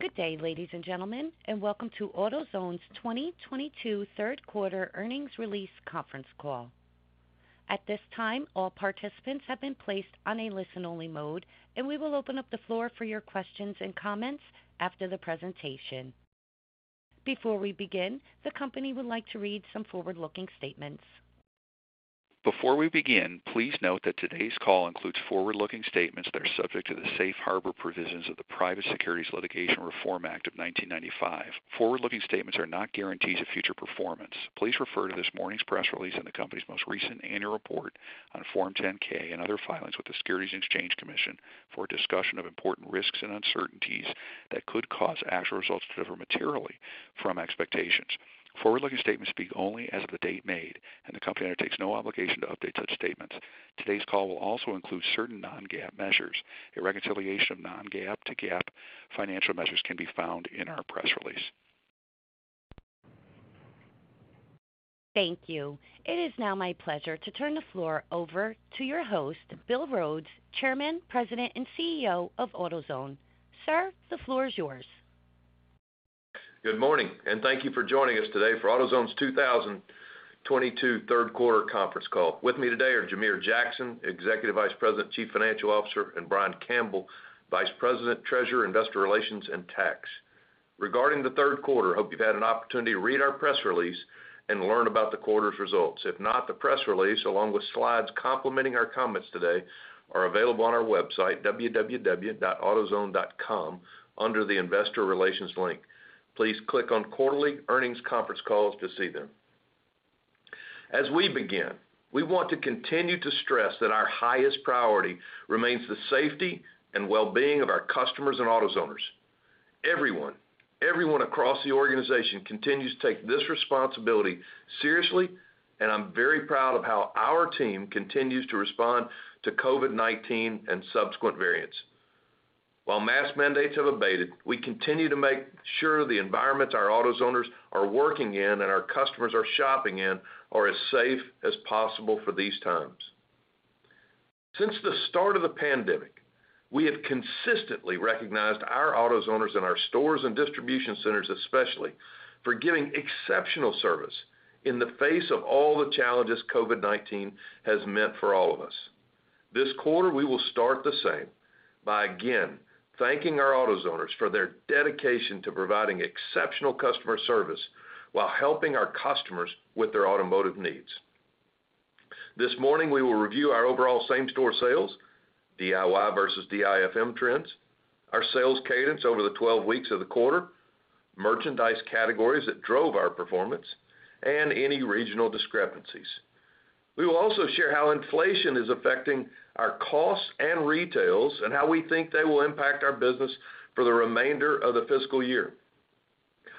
Good day, ladies and gentlemen, and welcome to AutoZone's 2022 Third Quarter Earnings Release Conference Call. At this time, all participants have been placed on a listen-only mode, and we will open up the floor for your questions and comments after the presentation. Before we begin, the company would like to read some forward-looking statements. Before we begin, please note that today's call includes forward-looking statements that are subject to the safe harbor provisions of the Private Securities Litigation Reform Act of 1995. Forward-looking statements are not guarantees of future performance. Please refer to this morning's press release and the company's most recent Annual Report on Form 10-K and other filings with the Securities and Exchange Commission for a discussion of important risks and uncertainties that could cause actual results to differ materially from expectations. Forward-looking statements speak only as of the date made, and the company undertakes no obligation to update such statements. Today's call will also include certain non-GAAP measures. A reconciliation of non-GAAP to GAAP financial measures can be found in our press release. Thank you. It is now my pleasure to turn the floor over to your host, Bill Rhodes, Chairman, President and CEO of AutoZone. Sir, the floor is yours. Good morning, and thank you for joining us today for AutoZone's 2022 Third Quarter Conference Call. With me today are Jamere Jackson, Executive Vice President, Chief Financial Officer, and Brian Campbell, Vice President, Treasurer, Investor Relations, and Tax. Regarding the third quarter, I hope you've had an opportunity to read our press release and learn about the quarter's results. If not, the press release, along with slides complementing our comments today, are available on our website, www.autozone.com, under the Investor Relations link. Please click on Quarterly Earnings Conference Calls to see them. As we begin, we want to continue to stress that our highest priority remains the safety and well-being of our customers and AutoZoners. Everyone across the organization continues to take this responsibility seriously, and I'm very proud of how our team continues to respond to COVID-19 and subsequent variants. While mask mandates have abated, we continue to make sure the environments our AutoZoners are working in and our customers are shopping in are as safe as possible for these times. Since the start of the pandemic, we have consistently recognized our AutoZoners in our stores and distribution centers, especially for giving exceptional service in the face of all the challenges COVID-19 has meant for all of us. This quarter, we will start the same by again thanking our AutoZoners for their dedication to providing exceptional customer service while helping our customers with their automotive needs. This morning, we will review our overall same-store sales, DIY versus DIFM trends, our sales cadence over the 12 weeks of the quarter, merchandise categories that drove our performance, and any regional discrepancies. We will also share how inflation is affecting our costs and retail and how we think they will impact our business for the remainder of the fiscal year.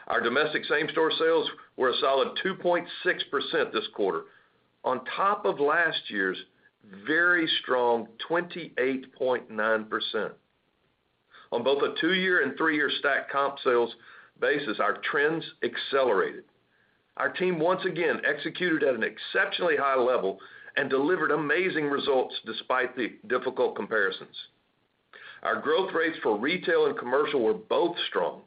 Our domestic same-store sales were a solid 2.6% this quarter, on top of last year's very strong 28.9%. On both a two-year and three-year stacked comp sales basis, our trends accelerated. Our team once again executed at an exceptionally high level and delivered amazing results despite the difficult comparisons. Our growth rates for retail and commercial were both strong,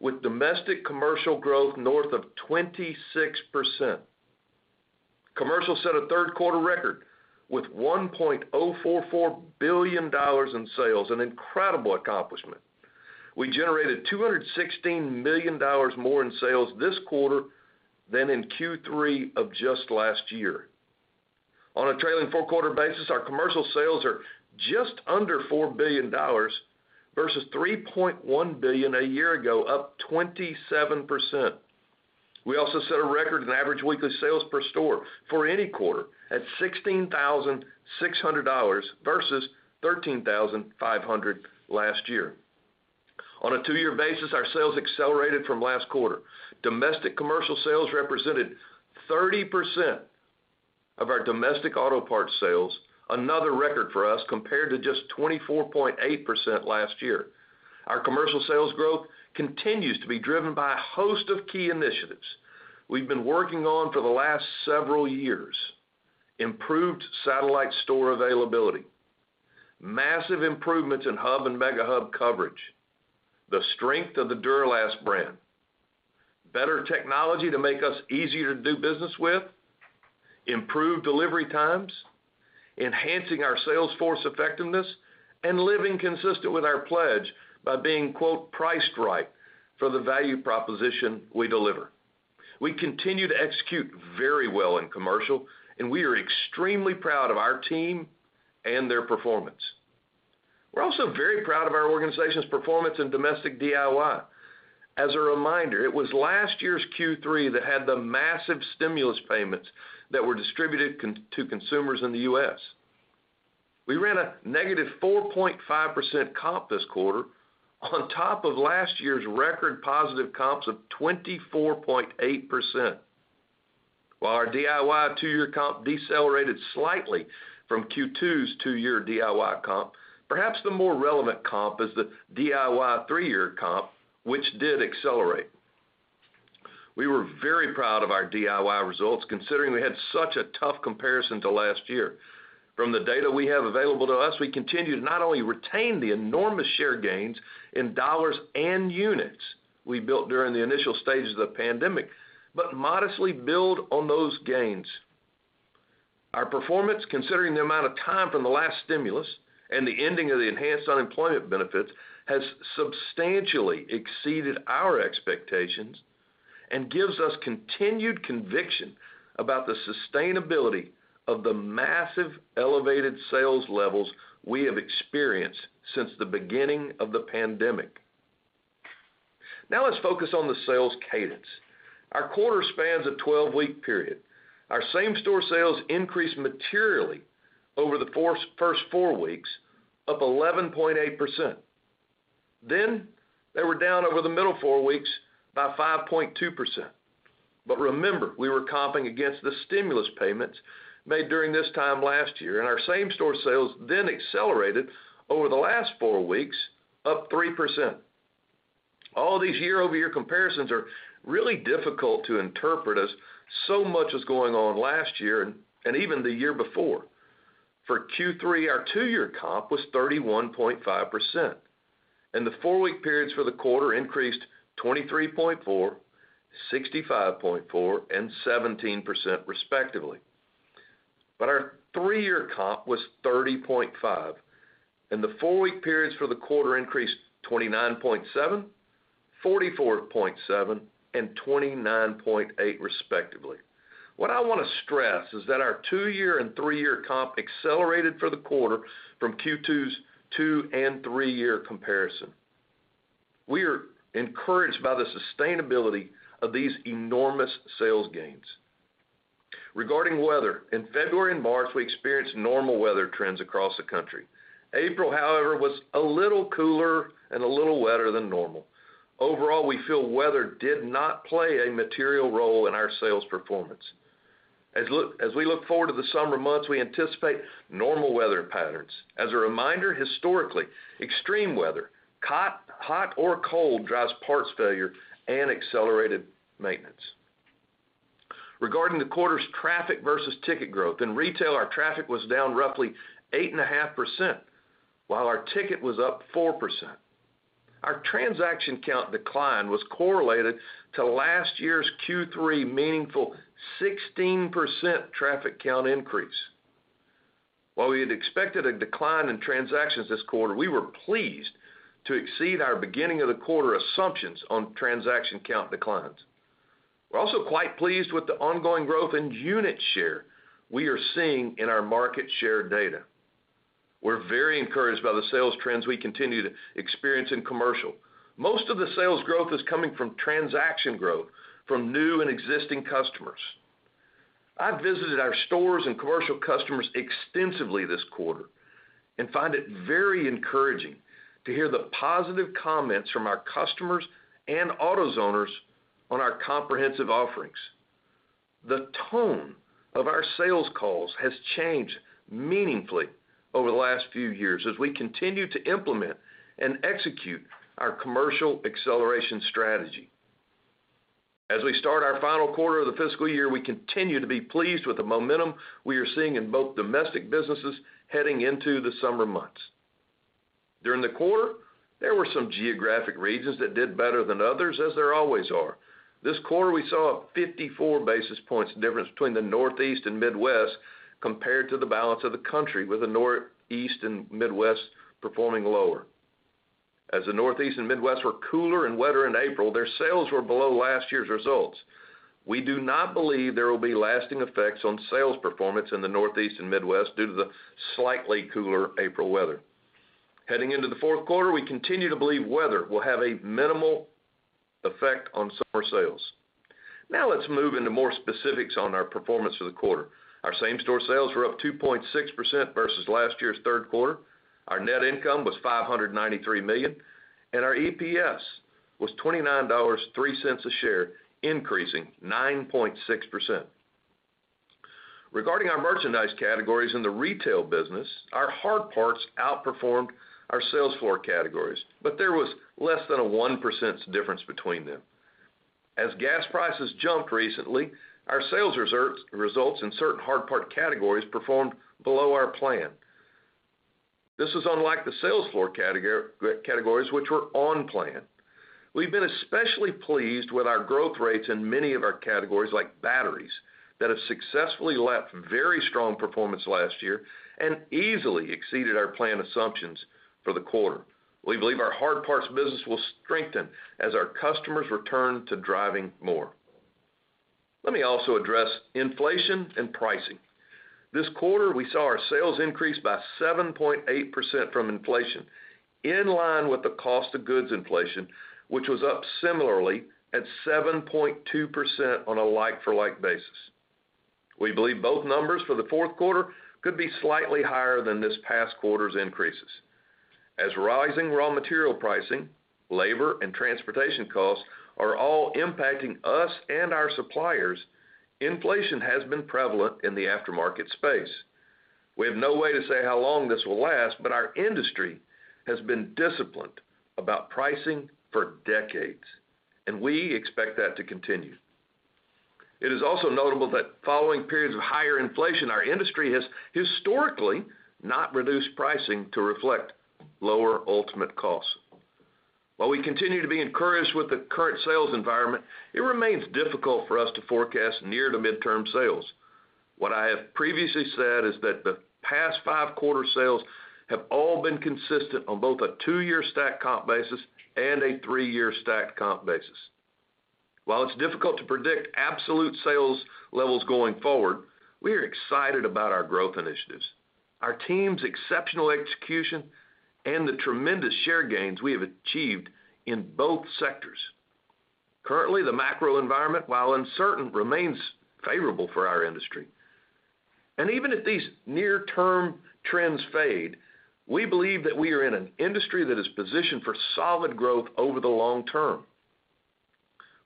with domestic commercial growth north of 26%. Commercial set a third-quarter record with $1.044 billion in sales, an incredible accomplishment. We generated $216 million more in sales this quarter than in Q3 of just last year. On a trailing four-quarter basis, our commercial sales are just under $4 billion versus $3.1 billion a year ago, up 27%. We also set a record in average weekly sales per store for any quarter at $16,600 versus $13,500 last year. On a two-year basis, our sales accelerated from last quarter. Domestic commercial sales represented 30% of our domestic auto parts sales, another record for us compared to just 24.8% last year. Our commercial sales growth continues to be driven by a host of key initiatives we've been working on for the last several years. Improved satellite store availability, massive improvements in hub and mega hub coverage, the strength of the Duralast brand, better technology to make us easier to do business with, improved delivery times, enhancing our sales force effectiveness, and living consistent with our pledge by being, quote, "priced right," for the value proposition we deliver. We continue to execute very well in commercial, and we are extremely proud of our team and their performance. We're also very proud of our organization's performance in domestic DIY. As a reminder, it was last year's Q3 that had the massive stimulus payments that were distributed to consumers in the U.S. We ran a negative 4.5% comp this quarter on top of last year's record positive comps of 24.8%. While our DIY two-year comp decelerated slightly from Q2's two-year DIY comp, perhaps the more relevant comp is the DIY three-year comp, which did accelerate. We were very proud of our DIY results considering we had such a tough comparison to last year. From the data we have available to us, we continue to not only retain the enormous share gains in dollars and units we built during the initial stages of the pandemic, but modestly build on those gains. Our performance, considering the amount of time from the last stimulus and the ending of the enhanced unemployment benefits, has substantially exceeded our expectations and gives us continued conviction about the sustainability of the massive elevated sales levels we have experienced since the beginning of the pandemic. Now let's focus on the sales cadence. Our quarter spans a 12-week period. Our same-store sales increased materially over the first four weeks up 11.8%. They were down over the middle four weeks by 5.2%. Remember, we were comping against the stimulus payments made during this time last year, and our same-store sales then accelerated over the last four weeks up 3%. All these year-over-year comparisons are really difficult to interpret as so much was going on last year and even the year before. For Q3, our two-year comp was 31.5%, and the four-week periods for the quarter increased 23.4%, 65.4%, and 17% respectively. Our three-year comp was 30.5%, and the four-week periods for the quarter increased 29.7%, 44.7%, and 29.8% respectively. What I want to stress is that our two-year and three-year comp accelerated for the quarter from Q2's two- and three-year comparison. We are encouraged by the sustainability of these enormous sales gains. Regarding weather, in February and March, we experienced normal weather trends across the country. April, however, was a little cooler and a little wetter than normal. Overall, we feel weather did not play a material role in our sales performance. As we look forward to the summer months, we anticipate normal weather patterns. As a reminder, historically, extreme weather, hot or cold, drives parts failure and accelerated maintenance. Regarding the quarter's traffic versus ticket growth, in retail, our traffic was down roughly 8.5%, while our ticket was up 4%. Our transaction count decline was correlated to last year's Q3 meaningful 16% traffic count increase. While we had expected a decline in transactions this quarter, we were pleased to exceed our beginning of the quarter assumptions on transaction count declines. We're also quite pleased with the ongoing growth in unit share we are seeing in our market share data. We're very encouraged by the sales trends we continue to experience in commercial. Most of the sales growth is coming from transaction growth from new and existing customers. I visited our stores and commercial customers extensively this quarter and find it very encouraging to hear the positive comments from our customers and AutoZoners on our comprehensive offerings. The tone of our sales calls has changed meaningfully over the last few years as we continue to implement and execute our commercial acceleration strategy. As we start our final quarter of the fiscal year, we continue to be pleased with the momentum we are seeing in both domestic businesses heading into the summer months. During the quarter, there were some geographic regions that did better than others, as there always are. This quarter, we saw a 54 basis points difference between the Northeast and Midwest compared to the balance of the country, with the Northeast and Midwest performing lower. As the Northeast and Midwest were cooler and wetter in April, their sales were below last year's results. We do not believe there will be lasting effects on sales performance in the Northeast and Midwest due to the slightly cooler April weather. Heading into the fourth quarter, we continue to believe weather will have a minimal effect on summer sales. Now let's move into more specifics on our performance for the quarter. Our same-store sales were up 2.6% versus last year's third quarter. Our net income was $593 million, and our EPS was $29.03 a share, increasing 9.6%. Regarding our merchandise categories in the retail business, our hard parts outperformed our sales floor categories, but there was less than a 1% difference between them. As gas prices jumped recently, our sales results in certain hard part categories performed below our plan. This is unlike the sales floor categories, which were on plan. We've been especially pleased with our growth rates in many of our categories like batteries that have successfully lapped very strong performance last year and easily exceeded our plan assumptions for the quarter. We believe our hard parts business will strengthen as our customers return to driving more. Let me also address inflation and pricing. This quarter, we saw our sales increase by 7.8% from inflation, in line with the cost of goods inflation, which was up similarly at 7.2% on a like-for-like basis. We believe both numbers for the fourth quarter could be slightly higher than this past quarter's increases. As rising raw material pricing, labor, and transportation costs are all impacting us and our suppliers, inflation has been prevalent in the aftermarket space. We have no way to say how long this will last, but our industry has been disciplined about pricing for decades, and we expect that to continue. It is also notable that following periods of higher inflation, our industry has historically not reduced pricing to reflect lower ultimate costs. While we continue to be encouraged with the current sales environment, it remains difficult for us to forecast near to midterm sales. What I have previously said is that the past five quarter sales have all been consistent on both a two-year stacked comp basis and a three-year stacked comp basis. While it's difficult to predict absolute sales levels going forward, we are excited about our growth initiatives, our team's exceptional execution, and the tremendous share gains we have achieved in both sectors. Currently, the macro environment, while uncertain, remains favorable for our industry. Even if these near-term trends fade, we believe that we are in an industry that is positioned for solid growth over the long term.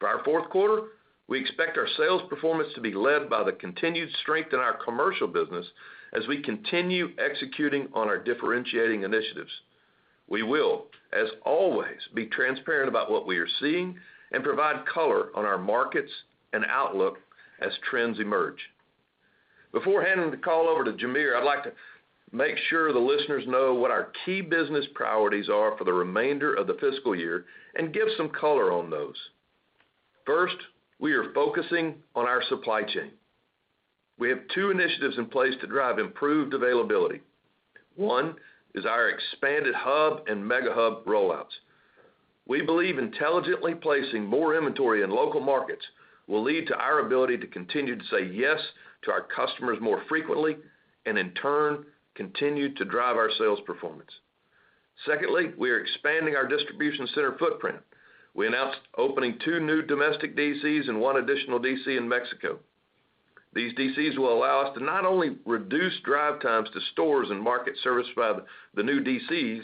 For our fourth quarter, we expect our sales performance to be led by the continued strength in our commercial business as we continue executing on our differentiating initiatives. We will, as always, be transparent about what we are seeing and provide color on our markets and outlook as trends emerge. Before handing the call over to Jamere, I'd like to make sure the listeners know what our key business priorities are for the remainder of the fiscal year and give some color on those. First, we are focusing on our supply chain. We have two initiatives in place to drive improved availability. One is our Expanded Hub and Mega Hub rollouts. We believe intelligently placing more inventory in local markets will lead to our ability to continue to say yes to our customers more frequently, and in turn, continue to drive our sales performance. Secondly, we are expanding our distribution center footprint. We announced opening two new domestic DCs and one additional DC in Mexico. These DCs will allow us to not only reduce drive times to stores and markets serviced by the new DCs,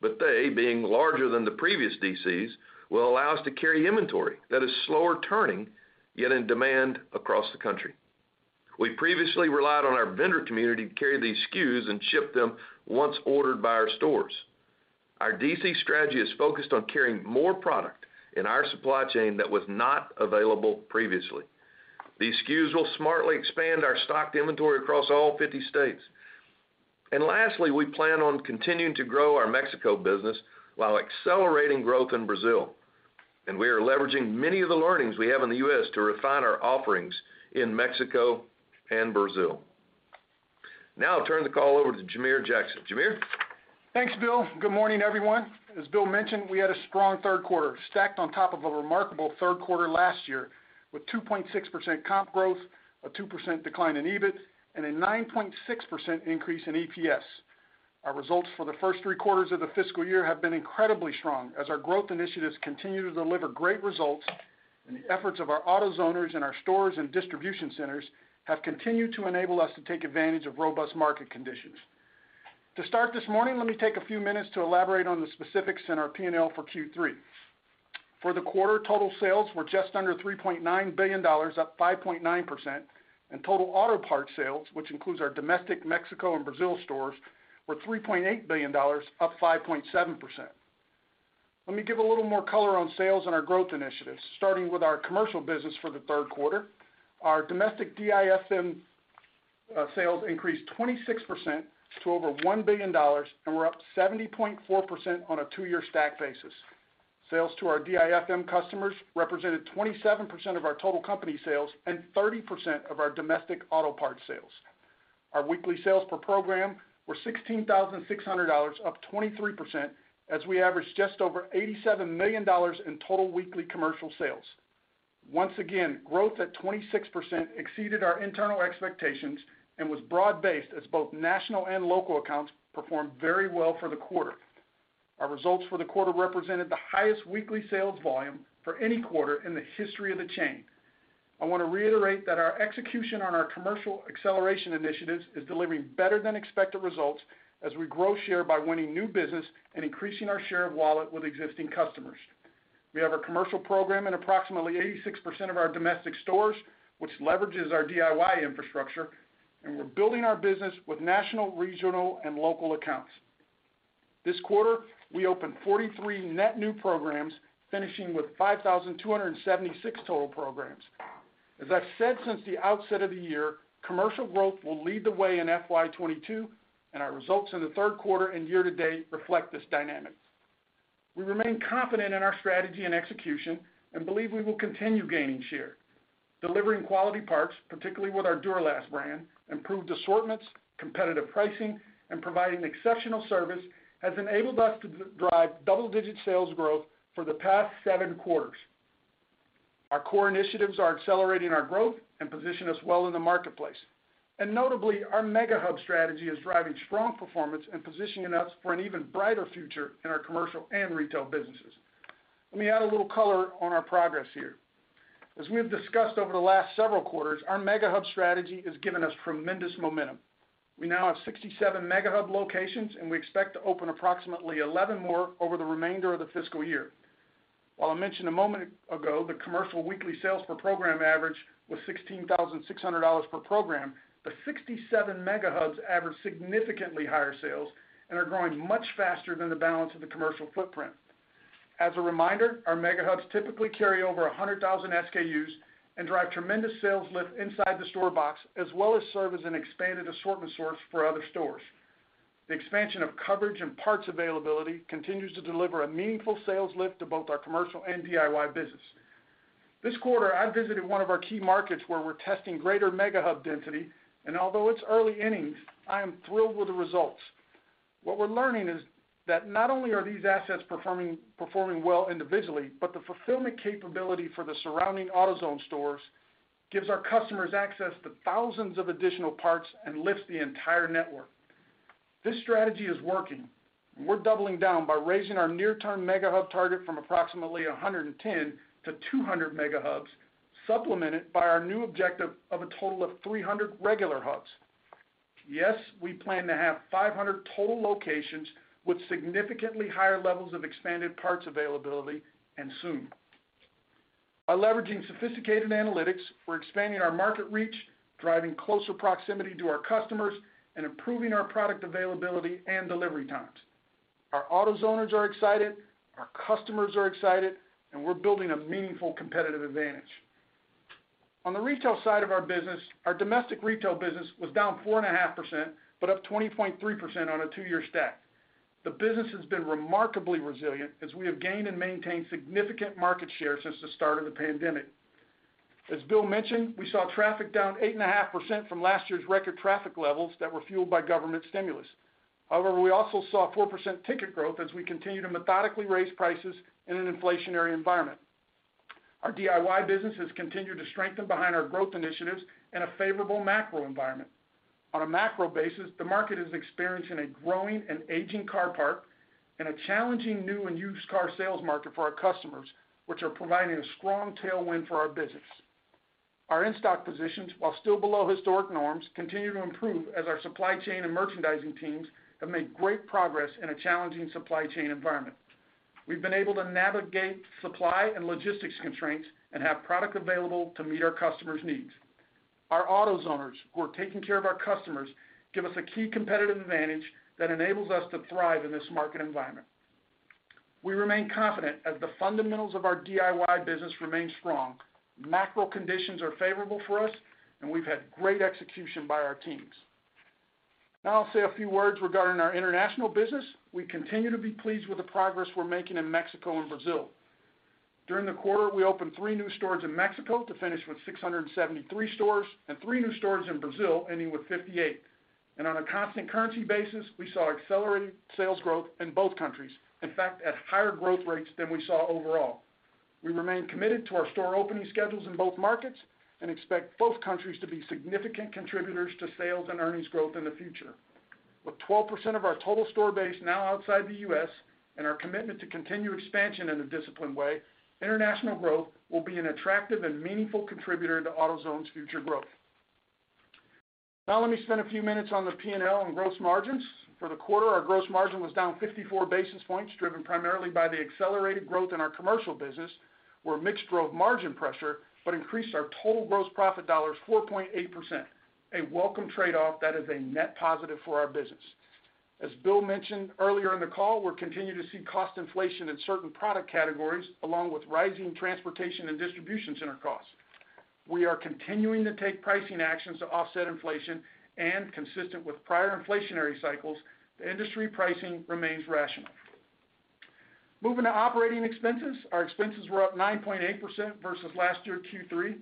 but they, being larger than the previous DCs, will allow us to carry inventory that is slower turning, yet in demand across the country. We previously relied on our vendor community to carry these SKUs and ship them once ordered by our stores. Our DC strategy is focused on carrying more product in our supply chain that was not available previously. These SKUs will smartly expand our stocked inventory across all 50 states. Lastly, we plan on continuing to grow our Mexico business while accelerating growth in Brazil. We are leveraging many of the learnings we have in the U.S. to refine our offerings in Mexico and Brazil. Now I'll turn the call over to Jamere Jackson. Jamere? Thanks, Bill. Good morning, everyone. As Bill mentioned, we had a strong third quarter stacked on top of a remarkable third quarter last year with 2.6% comp growth, a 2% decline in EBIT, and a 9.6% increase in EPS. Our results for the first three quarters of the fiscal year have been incredibly strong as our growth initiatives continue to deliver great results, and the efforts of our AutoZoners in our stores and distribution centers have continued to enable us to take advantage of robust market conditions. To start this morning, let me take a few minutes to elaborate on the specifics in our P&L for Q3. For the quarter, total sales were just under $3.9 billion, up 5.9%. Total auto parts sales, which includes our domestic Mexico and Brazil stores, were $3.8 billion, up 5.7%. Let me give a little more color on sales and our growth initiatives, starting with our commercial business for the third quarter. Our domestic DIFM sales increased 26% to over $1 billion, and we're up 70.4% on a two-year stacked basis. Sales to our DIFM customers represented 27% of our total company sales and 30% of our domestic auto parts sales. Our weekly sales per program were $16,600, up 23%, as we averaged just over $87 million in total weekly commercial sales. Once again, growth at 26% exceeded our internal expectations and was broad-based as both national and local accounts performed very well for the quarter. Our results for the quarter represented the highest weekly sales volume for any quarter in the history of the chain. I wanna reiterate that our execution on our commercial acceleration initiatives is delivering better than expected results as we grow share by winning new business and increasing our share of wallet with existing customers. We have a commercial program in approximately 86% of our domestic stores, which leverages our DIY infrastructure, and we're building our business with national, regional, and local accounts. This quarter, we opened 43 net new programs, finishing with 5,276 total programs. As I've said since the outset of the year, commercial growth will lead the way in FY22, and our results in the third quarter and year to date reflect this dynamic. We remain confident in our strategy and execution and believe we will continue gaining share. Delivering quality parts, particularly with our Duralast brand, improved assortments, competitive pricing, and providing exceptional service has enabled us to drive double-digit sales growth for the past seven quarters. Our core initiatives are accelerating our growth and position us well in the marketplace. Notably, our Mega Hubs strategy is driving strong performance and positioning us for an even brighter future in our commercial and retail businesses. Let me add a little color on our progress here. As we have discussed over the last several quarters, our Mega Hubs strategy has given us tremendous momentum. We now have 67 Mega Hub locations, and we expect to open approximately 11 more over the remainder of the fiscal year. While I mentioned a moment ago the commercial weekly sales per program average was $16,600 per program, the 67 Mega Hubs average significantly higher sales and are growing much faster than the balance of the commercial footprint. As a reminder, our Mega Hubs typically carry over 100,000 SKUs and drive tremendous sales lift inside the store box, as well as serve as an expanded assortment source for other stores. The expansion of coverage and parts availability continues to deliver a meaningful sales lift to both our commercial and DIY business. This quarter, I visited one of our key markets where we're testing greater Mega Hub density, and although it's early innings, I am thrilled with the results. What we're learning is that not only are these assets performing well individually, but the fulfillment capability for the surrounding AutoZone stores gives our customers access to thousands of additional parts and lifts the entire network. This strategy is working. We're doubling down by raising our near-term Mega Hubs target from approximately 110-200 Mega Hubs, supplemented by our new objective of a total of 300 regular hubs. Yes, we plan to have 500 total locations with significantly higher levels of expanded parts availability, and soon. By leveraging sophisticated analytics, we're expanding our market reach, driving closer proximity to our customers, and improving our product availability and delivery times. Our AutoZoners are excited, our customers are excited, and we're building a meaningful competitive advantage. On the retail side of our business, our domestic retail business was down 4.5%, but up 20.3% on a two-year stack. The business has been remarkably resilient as we have gained and maintained significant market share since the start of the pandemic. As Bill mentioned, we saw traffic down 8.5% from last year's record traffic levels that were fueled by government stimulus. However, we also saw 4% ticket growth as we continue to methodically raise prices in an inflationary environment. Our DIY business has continued to strengthen behind our growth initiatives in a favorable macro environment. On a macro basis, the market is experiencing a growing and aging car park and a challenging new and used car sales market for our customers, which are providing a strong tailwind for our business. Our in-stock positions, while still below historic norms, continue to improve as our supply chain and merchandising teams have made great progress in a challenging supply chain environment. We've been able to navigate supply and logistics constraints and have product available to meet our customers' needs. Our AutoZoners who are taking care of our customers give us a key competitive advantage that enables us to thrive in this market environment. We remain confident as the fundamentals of our DIY business remain strong. Macro conditions are favorable for us, and we've had great execution by our teams. Now I'll say a few words regarding our international business. We continue to be pleased with the progress we're making in Mexico and Brazil. During the quarter, we opened three new stores in Mexico to finish with 673 stores and three new stores in Brazil, ending with 58. On a constant currency basis, we saw accelerated sales growth in both countries. In fact, at higher growth rates than we saw overall. We remain committed to our store opening schedules in both markets and expect both countries to be significant contributors to sales and earnings growth in the future. With 12% of our total store base now outside the U.S. and our commitment to continued expansion in a disciplined way, international growth will be an attractive and meaningful contributor to AutoZone's future growth. Now let me spend a few minutes on the P&L and gross margins. For the quarter, our gross margin was down 54 basis points, driven primarily by the accelerated growth in our commercial business, where mix drove margin pressure but increased our total gross profit dollars 4.8%, a welcome trade-off that is a net positive for our business. As Bill mentioned earlier in the call, we're continuing to see cost inflation in certain product categories, along with rising transportation and distribution center costs. We are continuing to take pricing actions to offset inflation and consistent with prior inflationary cycles, the industry pricing remains rational. Moving to operating expenses. Our expenses were up 9.8% versus last year Q3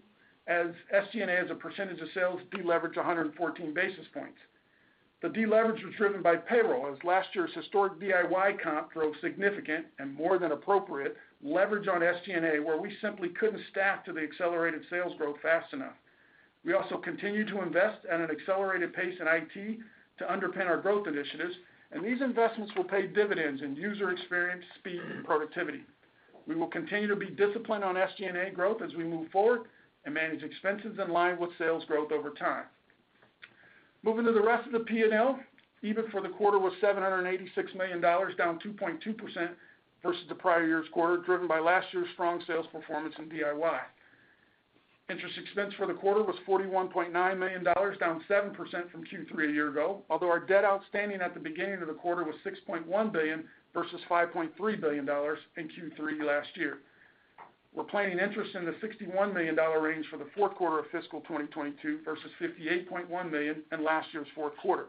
as SG&A as a percentage of sales deleveraged 114 basis points. The deleverage was driven by payroll. As last year's historic DIY comp drove significant and more than appropriate leverage on SG&A, where we simply couldn't staff to the accelerated sales growth fast enough. We also continue to invest at an accelerated pace in IT to underpin our growth initiatives, and these investments will pay dividends in user experience, speed, and productivity. We will continue to be disciplined on SG&A growth as we move forward and manage expenses in line with sales growth over time. Moving to the rest of the P&L, EBIT for the quarter was $786 million, down 2.2% versus the prior year's quarter, driven by last year's strong sales performance in DIY. Interest expense for the quarter was $41.9 million, down 7% from Q3 a year ago, although our debt outstanding at the beginning of the quarter was $6.1 billion versus $5.3 billion in Q3 last year. We're planning interest in the $61 million range for the fourth quarter of fiscal 2022 versus $58.1 million in last year's fourth quarter.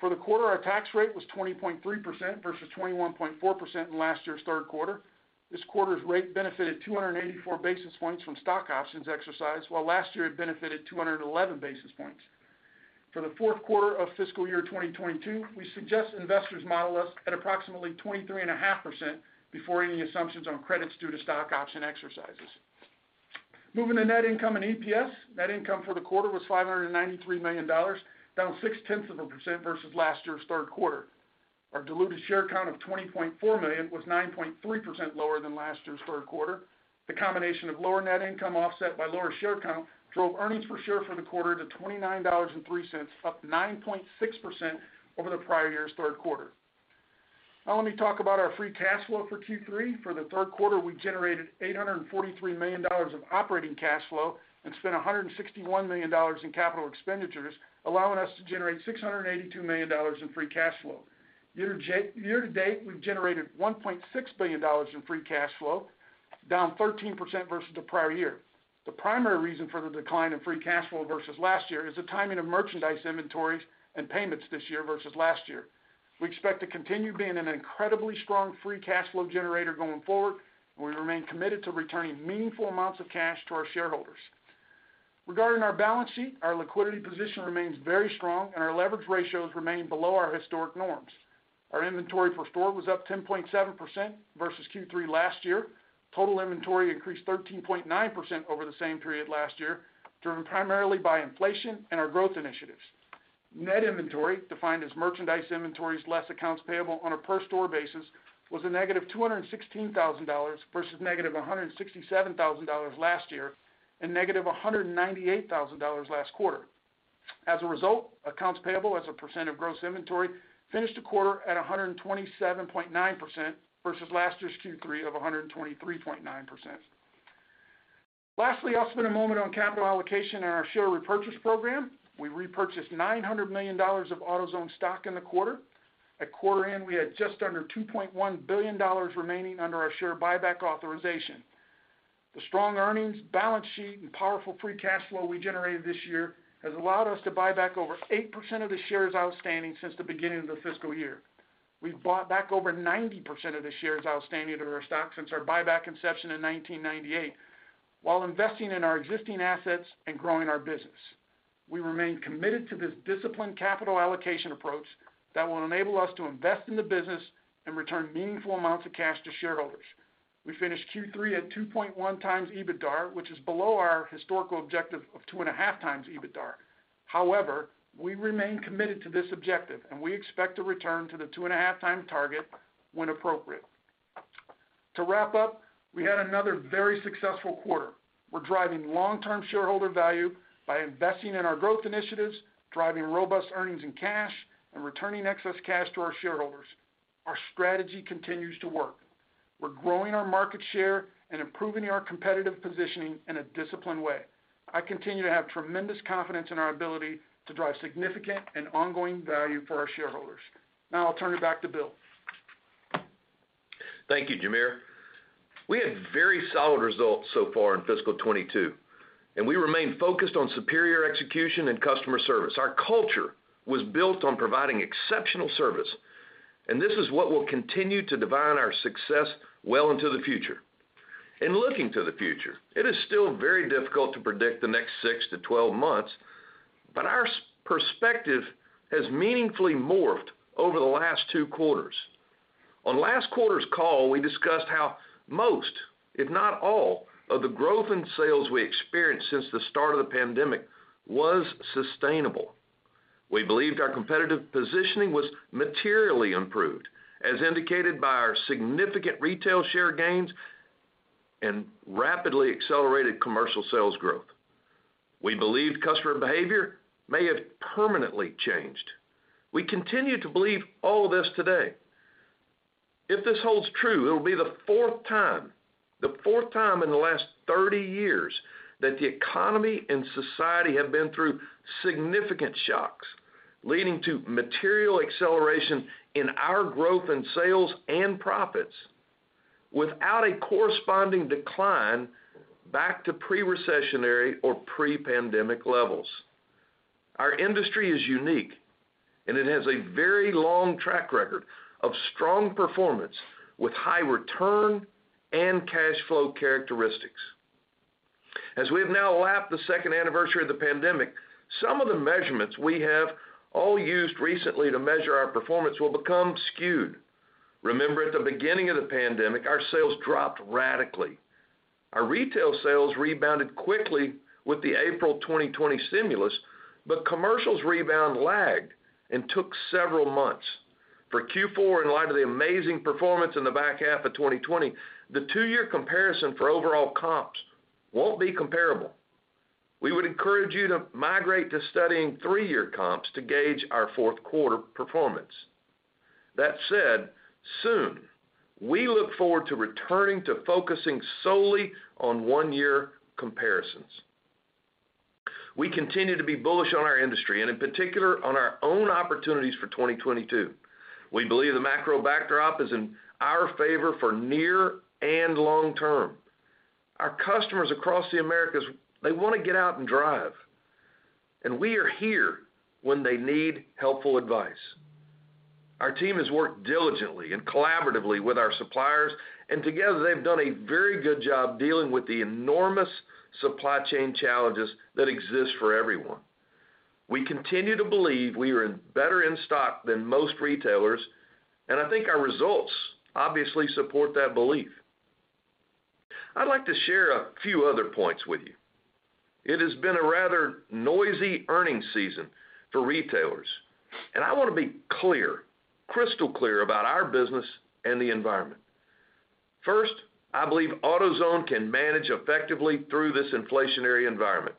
For the quarter, our tax rate was 20.3% versus 21.4% in last year's third quarter. This quarter's rate benefited 284 basis points from stock options exercised, while last year it benefited 211 basis points. For the fourth quarter of fiscal year 2022, we suggest investors model us at approximately 23.5% before any assumptions on credits due to stock option exercises. Moving to net income and EPS. Net income for the quarter was $593 million, down 0.6% versus last year's third quarter. Our diluted share count of 20.4 million was 9.3% lower than last year's third quarter. The combination of lower net income offset by lower share count drove earnings per share for the quarter to $29.03, up 9.6% over the prior year's third quarter. Now let me talk about our free cash flow for Q3. For the third quarter, we generated $843 million of operating cash flow and spent $161 million in capital expenditures, allowing us to generate $682 million in free cash flow. Year to date, we've generated $1.6 billion in free cash flow, down 13% versus the prior year. The primary reason for the decline in free cash flow versus last year is the timing of merchandise inventories and payments this year versus last year. We expect to continue being an incredibly strong free cash flow generator going forward, and we remain committed to returning meaningful amounts of cash to our shareholders. Regarding our balance sheet, our liquidity position remains very strong, and our leverage ratios remain below our historic norms. Our inventory per store was up 10.7% versus Q3 last year. Total inventory increased 13.9% over the same period last year, driven primarily by inflation and our growth initiatives. Net inventory, defined as merchandise inventories less accounts payable on a per store basis, was -$216,000 versus -$167,000 last year and -$198,000 last quarter. As a result, accounts payable as a percent of gross inventory finished the quarter at 127.9% versus last year's Q3 of 123.9%. Lastly, I'll spend a moment on capital allocation and our share repurchase program. We repurchased $900 million of AutoZone stock in the quarter. At quarter end, we had just under $2.1 billion remaining under our share buyback authorization. The strong earnings, balance sheet, and powerful free cash flow we generated this year has allowed us to buy back over 8% of the shares outstanding since the beginning of the fiscal year. We've bought back over 90% of the shares outstanding of our stock since our buyback inception in 1998, while investing in our existing assets and growing our business. We remain committed to this disciplined capital allocation approach that will enable us to invest in the business and return meaningful amounts of cash to shareholders. We finished Q3 at 2.1x EBITDAR, which is below our historical objective of 2.5x EBITDAR. However, we remain committed to this objective, and we expect to return to the 2.5x target when appropriate. To wrap up, we had another very successful quarter. We're driving long-term shareholder value by investing in our growth initiatives, driving robust earnings and cash, and returning excess cash to our shareholders. Our strategy continues to work. We're growing our market share and improving our competitive positioning in a disciplined way. I continue to have tremendous confidence in our ability to drive significant and ongoing value for our shareholders. Now I'll turn it back to Bill. Thank you, Jamere. We had very solid results so far in fiscal 2022, and we remain focused on superior execution and customer service. Our culture was built on providing exceptional service, and this is what will continue to define our success well into the future. In looking to the future, it is still very difficult to predict the next 6-12 months, but our perspective has meaningfully morphed over the last two quarters. On last quarter's call, we discussed how most, if not all, of the growth in sales we experienced since the start of the pandemic was sustainable. We believed our competitive positioning was materially improved, as indicated by our significant retail share gains and rapidly accelerated commercial sales growth. We believed customer behavior may have permanently changed. We continue to believe all this today. If this holds true, it'll be the fourth time in the last 30 years that the economy and society have been through significant shocks, leading to material acceleration in our growth in sales and profits without a corresponding decline back to pre-recessionary or pre-pandemic levels. Our industry is unique, and it has a very long track record of strong performance with high return and cash flow characteristics. As we have now lapped the second anniversary of the pandemic, some of the measurements we have all used recently to measure our performance will become skewed. Remember, at the beginning of the pandemic, our sales dropped radically. Our retail sales rebounded quickly with the April 2020 stimulus, but commercials rebound lagged and took several months. For Q4, in light of the amazing performance in the back half of 2020, the two-year comparison for overall comps won't be comparable. We would encourage you to migrate to studying three-year comps to gauge our fourth quarter performance. That said, soon, we look forward to returning to focusing solely on one-year comparisons. We continue to be bullish on our industry and, in particular, on our own opportunities for 2022. We believe the macro backdrop is in our favor for near and long term. Our customers across the Americas, they wanna get out and drive, and we are here when they need helpful advice. Our team has worked diligently and collaboratively with our suppliers, and together, they've done a very good job dealing with the enormous supply chain challenges that exist for everyone. We continue to believe we are in better in stock than most retailers, and I think our results obviously support that belief. I'd like to share a few other points with you. It has been a rather noisy earnings season for retailers, and I wanna be clear, crystal clear about our business and the environment. First, I believe AutoZone can manage effectively through this inflationary environment.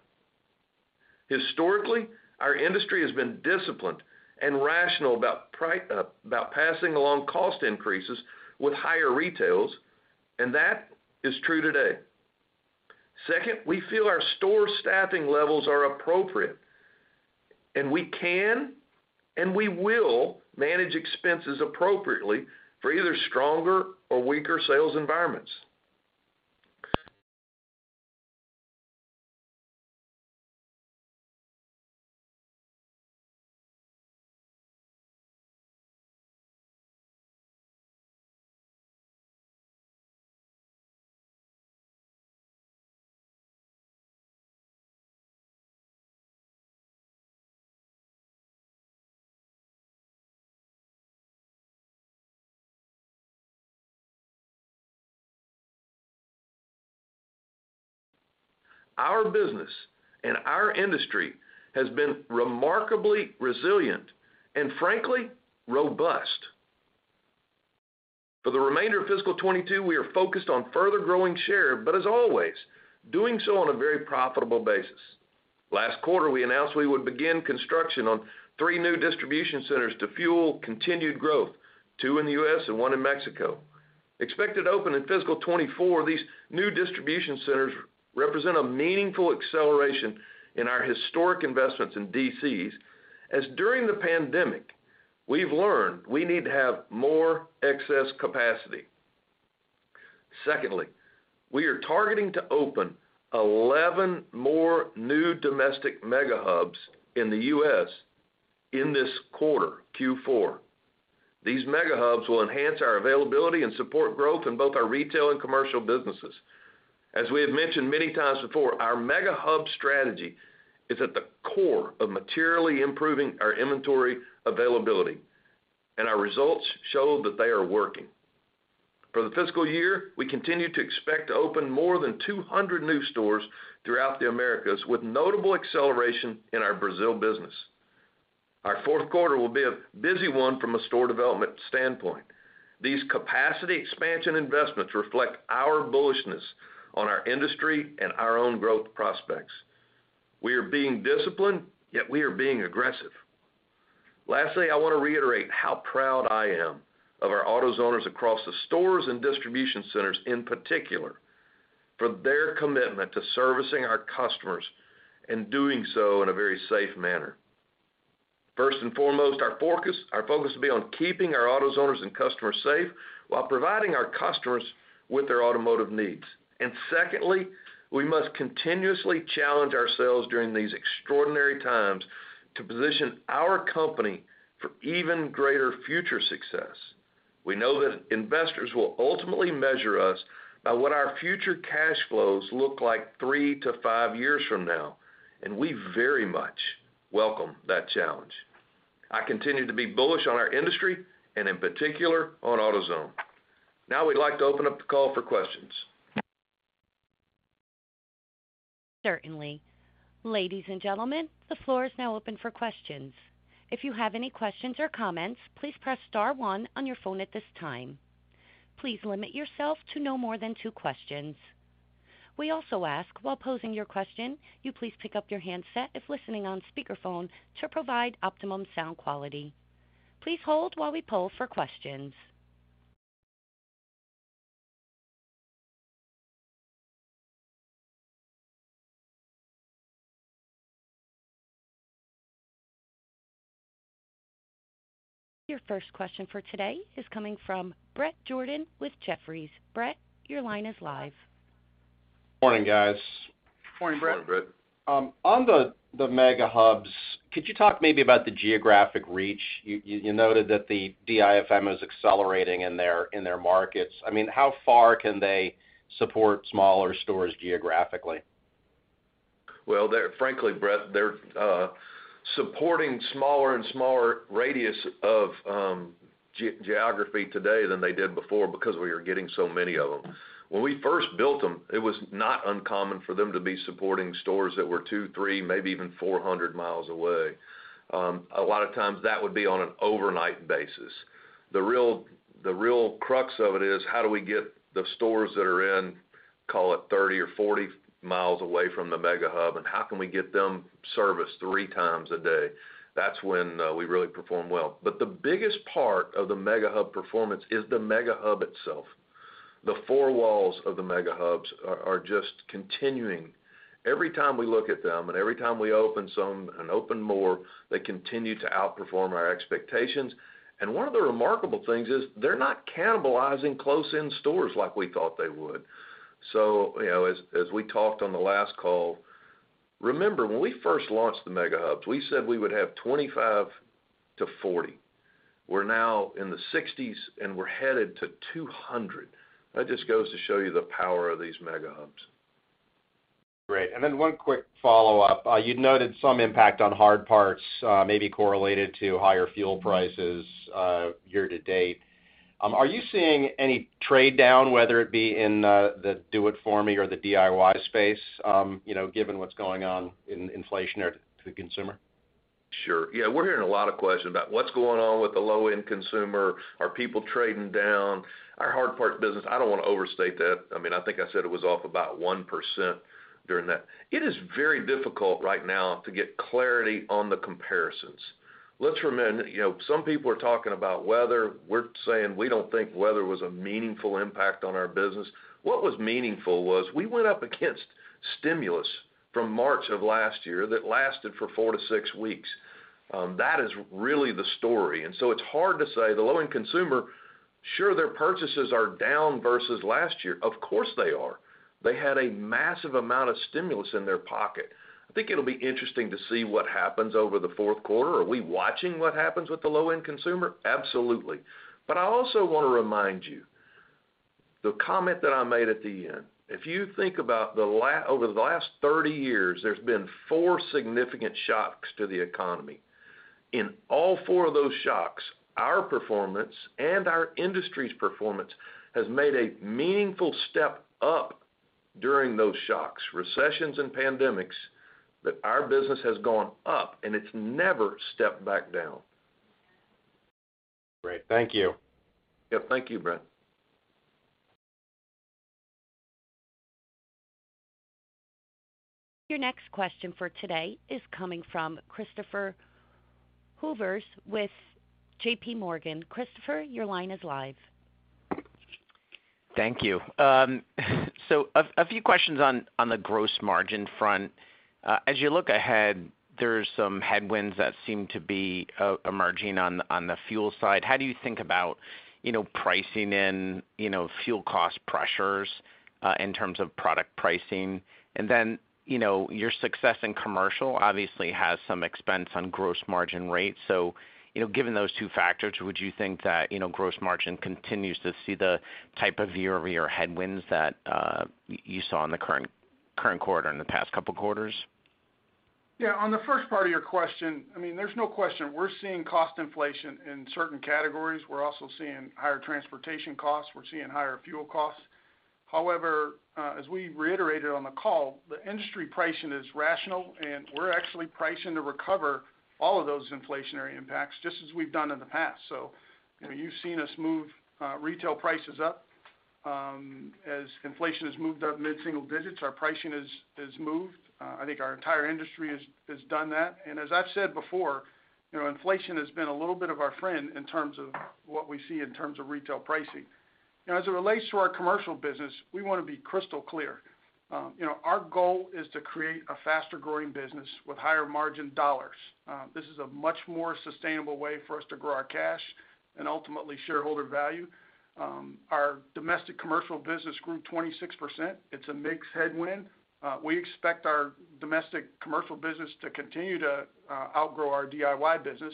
Historically, our industry has been disciplined and rational about passing along cost increases with higher retails, and that is true today. Second, we feel our store staffing levels are appropriate, and we can and we will manage expenses appropriately for either stronger or weaker sales environments. Our business and our industry has been remarkably resilient and frankly, robust. For the remainder of fiscal 2022, we are focused on further growing share, but as always, doing so on a very profitable basis. Last quarter, we announced we would begin construction on three new distribution centers to fuel continued growth, two in the U.S. and one in Mexico. Expected to open in fiscal 2024, these new distribution centers represent a meaningful acceleration in our historic investments in DCs, as during the pandemic, we've learned we need to have more excess capacity. Secondly, we are targeting to open 11 more new domestic Mega Hubs in the U.S. in this quarter, Q4. These Mega Hubs will enhance our availability and support growth in both our retail and commercial businesses. As we have mentioned many times before, our Mega Hub strategy is at the core of materially improving our inventory availability, and our results show that they are working. For the fiscal year, we continue to expect to open more than 200 new stores throughout the Americas, with notable acceleration in our Brazil business. Our fourth quarter will be a busy one from a store development standpoint. These capacity expansion investments reflect our bullishness on our industry and our own growth prospects. We are being disciplined, yet we are being aggressive. Lastly, I wanna reiterate how proud I am of our AutoZoners across the stores and distribution centers, in particular, for their commitment to servicing our customers and doing so in a very safe manner. First and foremost, our focus will be on keeping our AutoZoners and customers safe while providing our customers with their automotive needs. Secondly, we must continuously challenge ourselves during these extraordinary times to position our company for even greater future success. We know that investors will ultimately measure us by what our future cash flows look like 3-5 years from now, and we very much welcome that challenge. I continue to be bullish on our industry and in particular, on AutoZone. Now we'd like to open up the call for questions. Certainly. Ladies and gentlemen, the floor is now open for questions. If you have any questions or comments, please press star 1 on your phone at this time. Please limit yourself to no more than two questions. We also ask, while posing your question, you please pick up your handset if listening on speakerphone to provide optimum sound quality. Please hold while we poll for questions. Your first question for today is coming from Bret Jordan with Jefferies. Bret, your line is live. Morning, guys. Morning, Bret. Morning, Bret. On the Mega Hubs, could you talk maybe about the geographic reach? You noted that the DIFM is accelerating in their markets. I mean, how far can they support smaller stores geographically? Well, they're frankly, Bret, supporting smaller and smaller radius of geography today than they did before because we are getting so many of them. When we first built them, it was not uncommon for them to be supporting stores that were two, three, maybe even four hundred miles away. A lot of times that would be on an overnight basis. The real crux of it is how do we get the stores that are in, call it 30 or 40 miles away from the Mega Hub, and how can we get them serviced three times a day? That's when we really perform well. The biggest part of the Mega Hub performance is the Mega Hub itself. The four walls of the Mega Hubs are just continuing. Every time we look at them, and every time we open some and open more, they continue to outperform our expectations. One of the remarkable things is they're not cannibalizing close-in stores like we thought they would. You know, as we talked on the last call, remember when we first launched the Mega Hubs, we said we would have 25-40. We're now in the 60s, and we're headed to 200. That just goes to show you the power of these Mega Hubs. Great. One quick follow-up. You noted some impact on hard parts, maybe correlated to higher fuel prices, year to date. Are you seeing any trade down, whether it be in the do it for me or the DIY space, you know, given what's going on in inflationary to the consumer? Sure. Yeah, we're hearing a lot of questions about what's going on with the low-end consumer. Are people trading down? Our hard parts business, I don't wanna overstate that. I mean, I think I said it was off about 1% during that. It is very difficult right now to get clarity on the comparisons. Let's remember, you know, some people are talking about weather. We're saying we don't think weather was a meaningful impact on our business. What was meaningful was we went up against stimulus from March of last year that lasted for 4-6 weeks. That is really the story. It's hard to say the low-end consumer, sure, their purchases are down versus last year. Of course they are. They had a massive amount of stimulus in their pocket. I think it'll be interesting to see what happens over the fourth quarter. Are we watching what happens with the low-end consumer? Absolutely. I also wanna remind you, the comment that I made at the end, if you think about over the last 30 years, there's been four significant shocks to the economy. In all four of those shocks, our performance and our industry's performance has made a meaningful step up during those shocks, recessions and pandemics, that our business has gone up, and it's never stepped back down. Great. Thank you. Yeah, thank you, Bret. Your next question for today is coming from Christopher Horvers with J.P. Morgan. Christopher, your line is live. Thank you. A few questions on the gross margin front. As you look ahead, there's some headwinds that seem to be emerging on the fuel side. How do you think about, you know, pricing in, you know, fuel cost pressures in terms of product pricing? Then, you know, your success in commercial obviously has some expense on gross margin rates. Given those two factors, would you think that, you know, gross margin continues to see the type of year-over-year headwinds that you saw in the current quarter and the past couple quarters? Yeah, on the first part of your question, I mean, there's no question we're seeing cost inflation in certain categories. We're also seeing higher transportation costs. We're seeing higher fuel costs. However, as we reiterated on the call, the industry pricing is rational, and we're actually pricing to recover all of those inflationary impacts just as we've done in the past. So, you know, you've seen us move retail prices up as inflation has moved up mid-single digits. Our pricing has moved. I think our entire industry has done that. As I've said before, you know, inflation has been a little bit of our friend in terms of what we see in terms of retail pricing. Now, as it relates to our commercial business, we wanna be crystal clear. You know, our goal is to create a faster growing business with higher margin dollars. This is a much more sustainable way for us to grow our cash and ultimately shareholder value. Our domestic commercial business grew 26%. It's a mixed headwind. We expect our domestic commercial business to continue to outgrow our DIY business,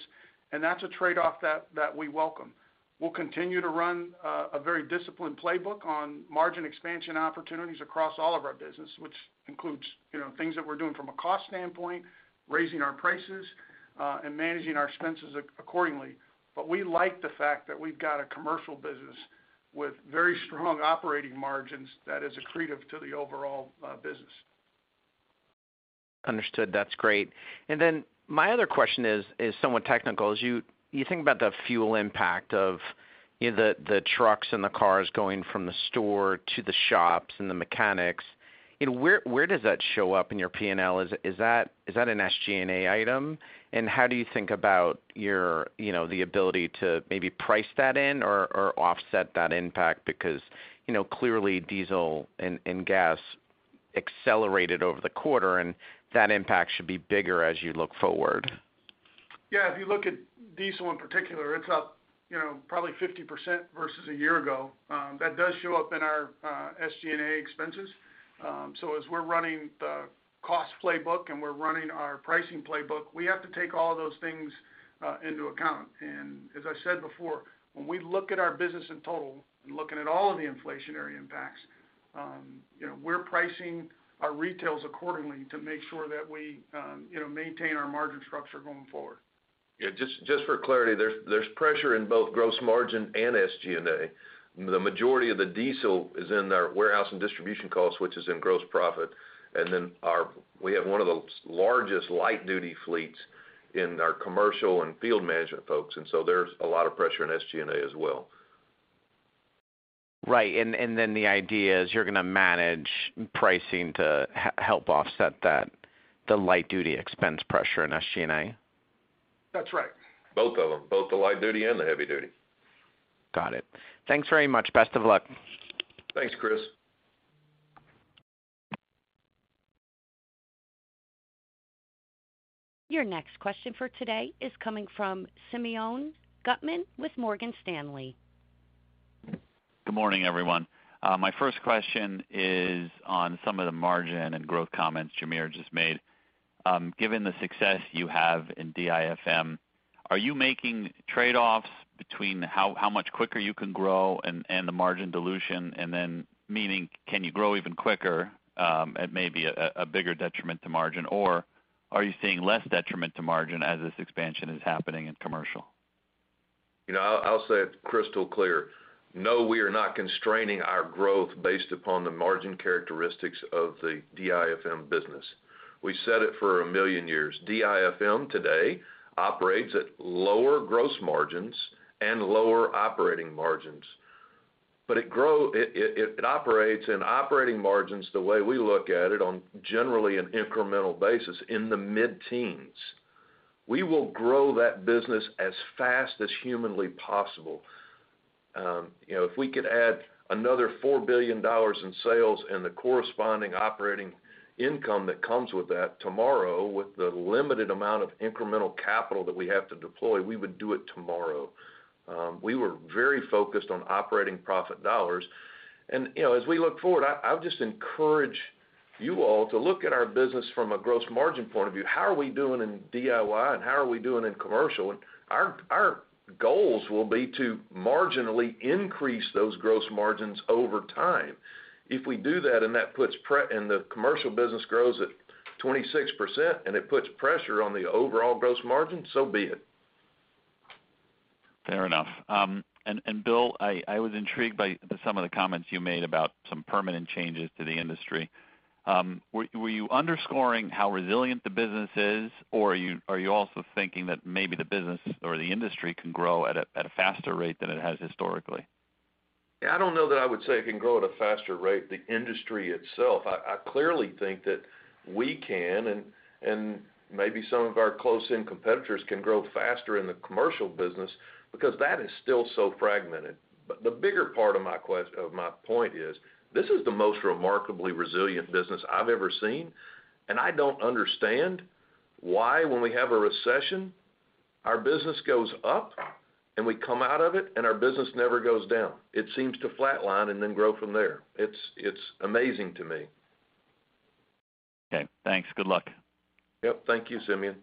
and that's a trade-off that we welcome. We'll continue to run a very disciplined playbook on margin expansion opportunities across all of our business, which includes, you know, things that we're doing from a cost standpoint, raising our prices, and managing our expenses accordingly. We like the fact that we've got a commercial business with very strong operating margins that is accretive to the overall business. Understood. That's great. My other question is somewhat technical. As you think about the fuel impact of the trucks and the cars going from the store to the shops and the mechanics, you know, where does that show up in your P&L? Is that an SG&A item? How do you think about your, you know, the ability to maybe price that in or offset that impact? Because, you know, clearly diesel and gas accelerated over the quarter, and that impact should be bigger as you look forward. Yeah. If you look at diesel in particular, it's up, you know, probably 50% versus a year ago. That does show up in our SG&A expenses. So as we're running the cost playbook and we're running our pricing playbook, we have to take all those things into account. As I said before, when we look at our business in total and looking at all of the inflationary impacts, you know, we're pricing our retails accordingly to make sure that we, you know, maintain our margin structure going forward. Yeah, just for clarity, there's pressure in both gross margin and SG&A. The majority of the diesel is in our warehouse and distribution costs, which is in gross profit. We have one of the largest light duty fleets in our commercial and field management folks, and so there's a lot of pressure in SG&A as well. Right. The idea is you're gonna manage pricing to help offset that, the light duty expense pressure in SG&A? That's right. Both of them, both the light duty and the heavy duty. Got it. Thanks very much. Best of luck. Thanks, Chris. Your next question for today is coming from Simeon Gutman with Morgan Stanley. Good morning, everyone. My first question is on some of the margin and growth comments Jamere just made. Given the success you have in DIFM, are you making trade-offs between how much quicker you can grow and the margin dilution? Meaning, can you grow even quicker at maybe a bigger detriment to margin? Are you seeing less detriment to margin as this expansion is happening in commercial? You know, I'll say it crystal clear. No, we are not constraining our growth based upon the margin characteristics of the DIFM business. We said it for a million years. DIFM today operates at lower gross margins and lower operating margins. It operates in operating margins the way we look at it on generally an incremental basis in the mid-teens. We will grow that business as fast as humanly possible. You know, if we could add another $4 billion in sales and the corresponding operating income that comes with that tomorrow, with the limited amount of incremental capital that we have to deploy, we would do it tomorrow. We were very focused on operating profit dollars. You know, as we look forward, I would just encourage you all to look at our business from a gross margin point of view. How are we doing in DIY, and how are we doing in commercial? Our goals will be to marginally increase those gross margins over time. If we do that and that puts and the commercial business grows at 26% and it puts pressure on the overall gross margin, so be it. Fair enough. Bill, I was intrigued by some of the comments you made about some permanent changes to the industry. Were you underscoring how resilient the business is, or are you also thinking that maybe the business or the industry can grow at a faster rate than it has historically? Yeah, I don't know that I would say it can grow at a faster rate, the industry itself. I clearly think that we can, and maybe some of our close in competitors can grow faster in the commercial business because that is still so fragmented. The bigger part of my point is this is the most remarkably resilient business I've ever seen, and I don't understand why when we have a recession, our business goes up, and we come out of it, and our business never goes down. It seems to flatline and then grow from there. It's amazing to me. Okay, thanks. Good luck. Yep. Thank you, Simeon.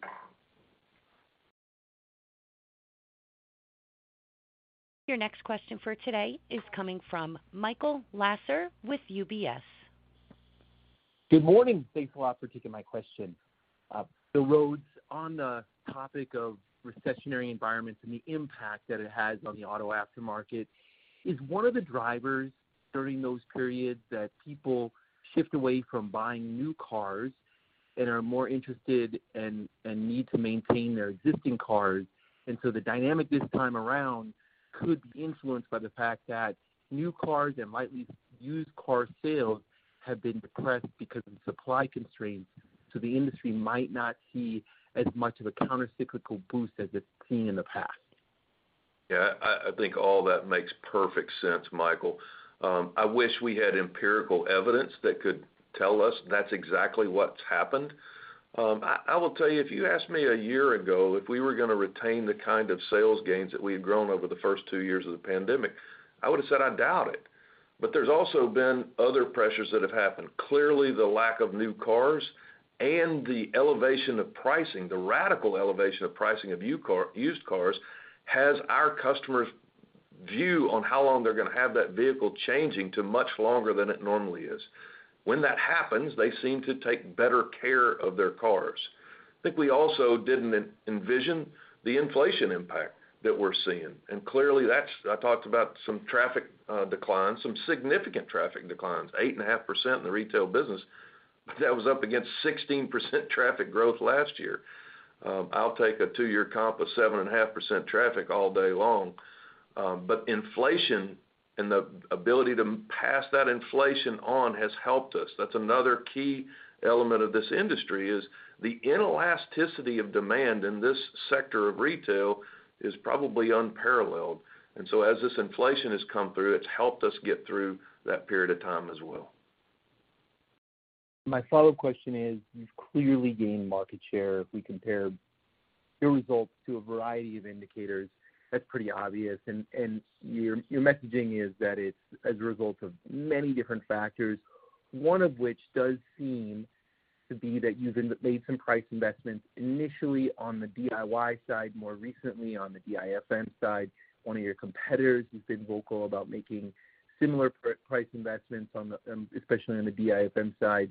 Your next question for today is coming from Michael Lasser with UBS. Good morning. Thanks a lot for taking my question. Bill Rhodes, on the topic of recessionary environments and the impact that it has on the auto aftermarket, is one of the drivers during those periods that people shift away from buying new cars and are more interested and need to maintain their existing cars? The dynamic this time around could be influenced by the fact that new cars and lightly used car sales have been depressed because of supply constraints, so the industry might not see as much of a countercyclical boost as it's seen in the past. Yeah. I think all that makes perfect sense, Michael. I wish we had empirical evidence that could tell us that's exactly what's happened. I will tell you, if you asked me a year ago if we were gonna retain the kind of sales gains that we had grown over the first two years of the pandemic, I would have said I doubt it. There's also been other pressures that have happened. Clearly, the lack of new cars and the elevation of pricing, the radical elevation of pricing of used cars has our customers' view on how long they're gonna have that vehicle changing to much longer than it normally is. When that happens, they seem to take better care of their cars. I think we also didn't envision the inflation impact that we're seeing. Clearly, I talked about some significant traffic declines, 8.5% in the retail business. That was up against 16% traffic growth last year. I'll take a two-year comp of 7.5% traffic all day long. Inflation and the ability to pass that inflation on has helped us. That's another key element of this industry, is the inelasticity of demand in this sector of retail is probably unparalleled. As this inflation has come through, it's helped us get through that period of time as well. My follow-up question is, you've clearly gained market share if we compare your results to a variety of indicators, that's pretty obvious. Your messaging is that it's as a result of many different factors, one of which does seem to be that you've made some price investments initially on the DIY side, more recently on the DIFM side. One of your competitors has been vocal about making similar price investments on the, especially on the DIFM side.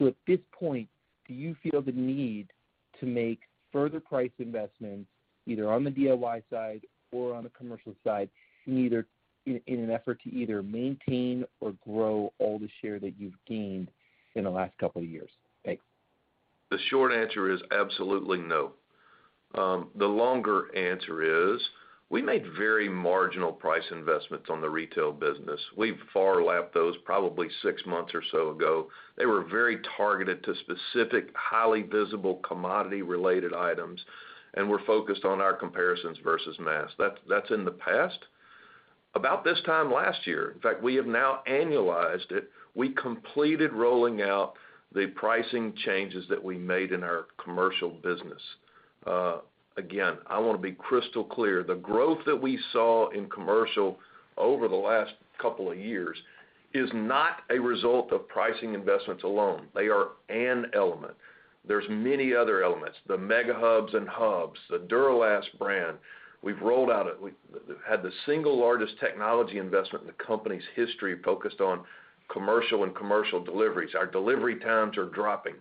At this point, do you feel the need to make further price investments either on the DIY side or on the commercial side in an effort to either maintain or grow all the share that you've gained in the last couple of years? Thanks. The short answer is absolutely no. The longer answer is we made very marginal price investments on the retail business. We've far lapped those probably six months or so ago. They were very targeted to specific, highly visible commodity related items, and we're focused on our comparisons versus last. That's in the past. About this time last year, in fact, we have now annualized it, we completed rolling out the pricing changes that we made in our commercial business. Again, I wanna be crystal clear. The growth that we saw in commercial over the last couple of years is not a result of pricing investments alone. They are an element. There's many other elements, the Mega Hubs and hubs, the Duralast brand. We've rolled out. We've had the single largest technology investment in the company's history focused on commercial and commercial deliveries. Our delivery times are dropping.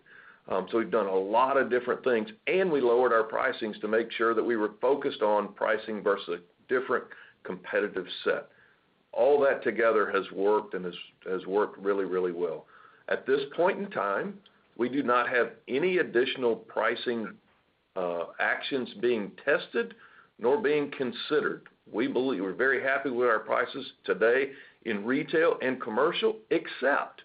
We've done a lot of different things, and we lowered our pricings to make sure that we were focused on pricing versus a different competitive set. All that together has worked really, really well. At this point in time, we do not have any additional pricing actions being tested nor being considered. We believe we're very happy with our prices today in retail and commercial, except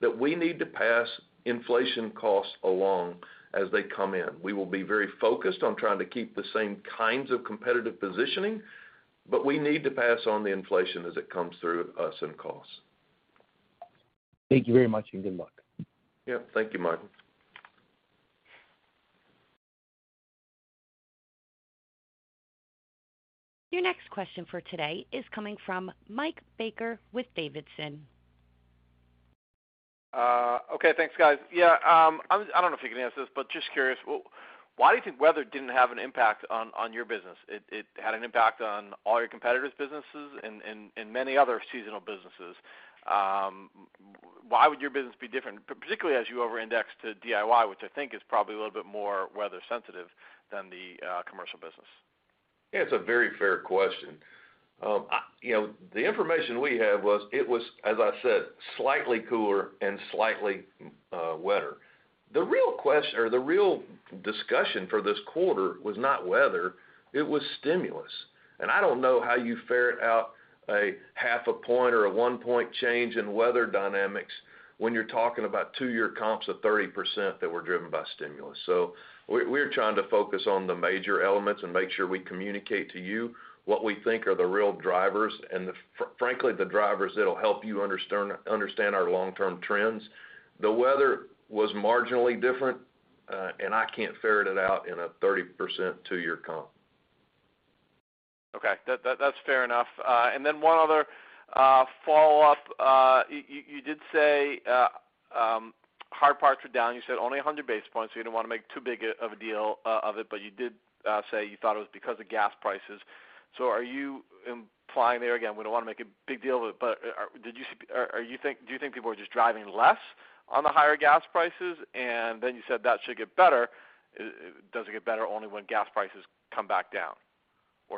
that we need to pass inflation costs along as they come in. We will be very focused on trying to keep the same kinds of competitive positioning, but we need to pass on the inflation as it comes through us in costs. Thank you very much, and good luck. Yep. Thank you, Michael. Your next question for today is coming from Mike Baker with D.A. Davidson. Okay. Thanks, guys. Yeah, I don't know if you can answer this, but just curious, why do you think weather didn't have an impact on your business? It had an impact on all your competitors' businesses and many other seasonal businesses. Why would your business be different, particularly as you over-index to DIY, which I think is probably a little bit more weather sensitive than the commercial business? It's a very fair question. You know, the information we had was it was, as I said, slightly cooler and slightly wetter. The real discussion for this quarter was not weather, it was stimulus. I don't know how you ferret out a half a point or a 1-point change in weather dynamics when you're talking about two-year comps of 30% that were driven by stimulus. We're trying to focus on the major elements and make sure we communicate to you what we think are the real drivers and the frankly, the drivers that'll help you understand our long-term trends. The weather was marginally different, and I can't ferret it out in a 30% two-year comp. Okay. That's fair enough. One other follow-up. You did say hard parts were down. You said only 100 basis points, so you didn't want to make too big a deal of it. You did say you thought it was because of gas prices. Are you implying there, again, we don't want to make a big deal of it, but do you think people are just driving less on the higher gas prices? You said that should get better. Does it get better only when gas prices come back down?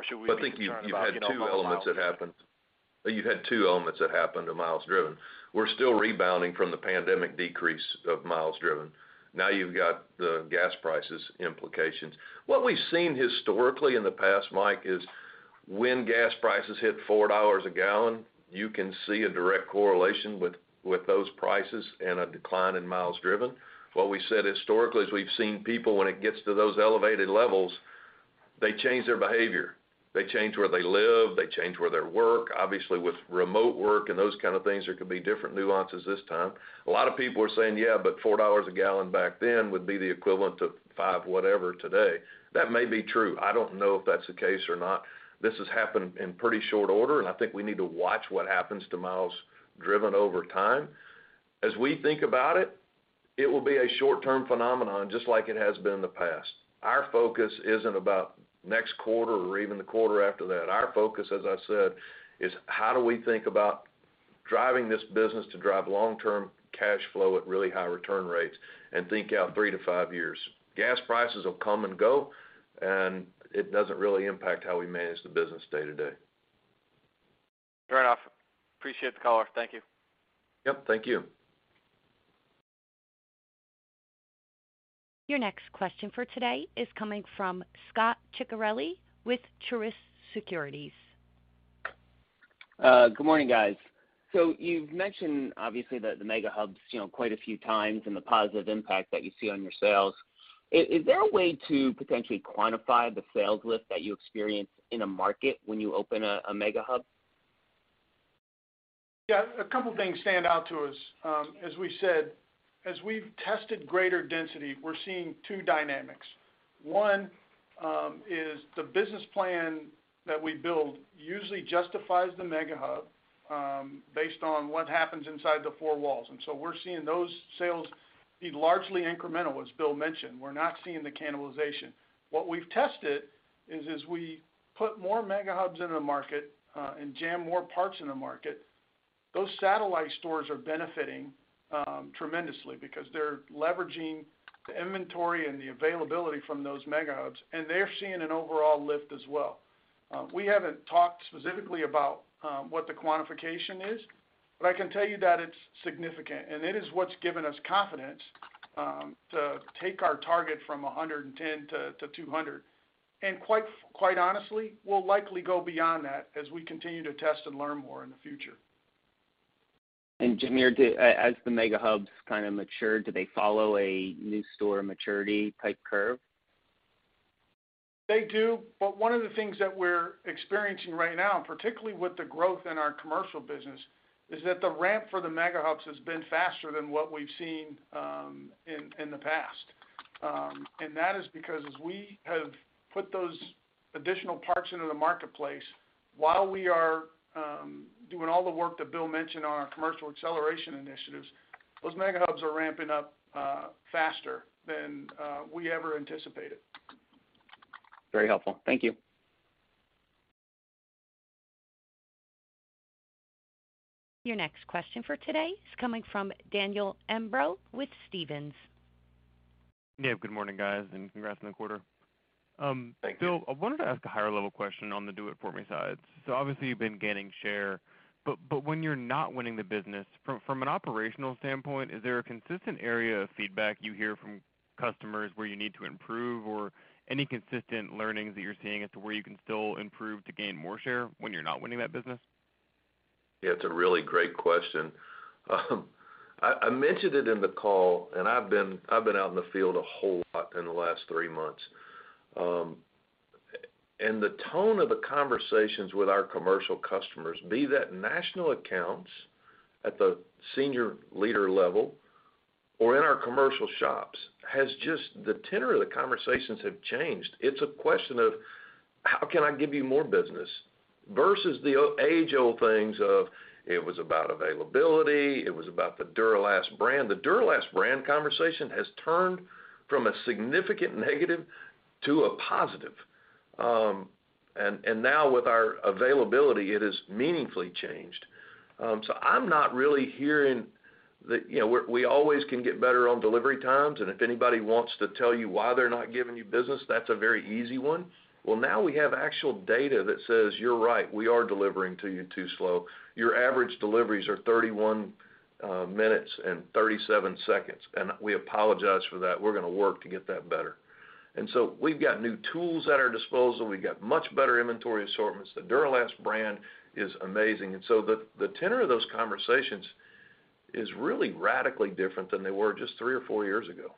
Should we be concerned about, you know, miles driven? I think you've had two elements that happened to miles driven. We're still rebounding from the pandemic decrease of miles driven. Now you've got the gas prices implications. What we've seen historically in the past, Mike, is when gas prices hit $4 a gallon, you can see a direct correlation with those prices and a decline in miles driven. What we said historically is we've seen people when it gets to those elevated levels, they change their behavior. They change where they live, they change where they work. Obviously, with remote work and those kind of things, there could be different nuances this time. A lot of people are saying, yeah, but $4 a gallon back then would be the equivalent of five whatever today. That may be true. I don't know if that's the case or not. This has happened in pretty short order, and I think we need to watch what happens to miles driven over time. As we think about it will be a short-term phenomenon, just like it has been in the past. Our focus isn't about next quarter or even the quarter after that. Our focus, as I said, is how do we think about driving this business to drive long-term cash flow at really high return rates and think out 3-5 years. Gas prices will come and go, and it doesn't really impact how we manage the business day-to-day. Fair enough. Appreciate the call. Thank you. Yep, thank you. Your next question for today is coming from Scot Ciccarelli with Truist Securities. Good morning, guys. You've mentioned obviously the Mega Hubs, you know, quite a few times and the positive impact that you see on your sales. Is there a way to potentially quantify the sales lift that you experience in a market when you open a Mega Hub? Yeah. A couple things stand out to us. As we said, as we've tested greater density, we're seeing two dynamics. One is the business plan that we build usually justifies the Mega Hub based on what happens inside the four walls. We're seeing those sales be largely incremental, as Bill mentioned. We're not seeing the cannibalization. What we've tested is as we put more Mega Hubs into the market and jam more parts in the market, those satellite stores are benefiting tremendously because they're leveraging the inventory and the availability from those Mega Hubs, and they're seeing an overall lift as well. We haven't talked specifically about what the quantification is, but I can tell you that it's significant, and it is what's given us confidence to take our target from 110-200. Quite honestly, we'll likely go beyond that as we continue to test and learn more in the future. Jamere, as the Mega Hubs kinda mature, do they follow a new store maturity type curve? They do. One of the things that we're experiencing right now, and particularly with the growth in our commercial business, is that the ramp for the Mega Hubs has been faster than what we've seen in the past. That is because as we have put those additional parts into the marketplace while we are doing all the work that Bill mentioned on our commercial acceleration initiatives, those Mega Hubs are ramping up faster than we ever anticipated. Very helpful. Thank you. Your next question for today is coming from Daniel Imbro with Stephens. Yeah, good morning, guys, and congrats on the quarter. Thank you. Bill, I wanted to ask a higher level question on the Do It For Me side. Obviously, you've been gaining share, but when you're not winning the business from an operational standpoint, is there a consistent area of feedback you hear from customers where you need to improve? Any consistent learnings that you're seeing as to where you can still improve to gain more share when you're not winning that business? Yeah, it's a really great question. I mentioned it in the call, and I've been out in the field a whole lot in the last three months. The tone of the conversations with our commercial customers, be that national accounts at the senior leader level or in our commercial shops, has just changed. The tenor of the conversations have changed. It's a question of how can I give you more business versus the age-old things of it was about availability, it was about the Duralast brand. The Duralast brand conversation has turned from a significant negative to a positive. Now with our availability, it has meaningfully changed. I'm not really hearing that. You know, we're we always can get better on delivery times, and if anybody wants to tell you why they're not giving you business, that's a very easy one. Well, now we have actual data that says, "You're right. We are delivering to you too slow. Your average deliveries are 31 minutes and 37 seconds, and we apologize for that. We're gonna work to get that better." We've got new tools at our disposal. We've got much better inventory assortments. The Duralast brand is amazing. The tenor of those conversations is really radically different than they were just three or four years ago.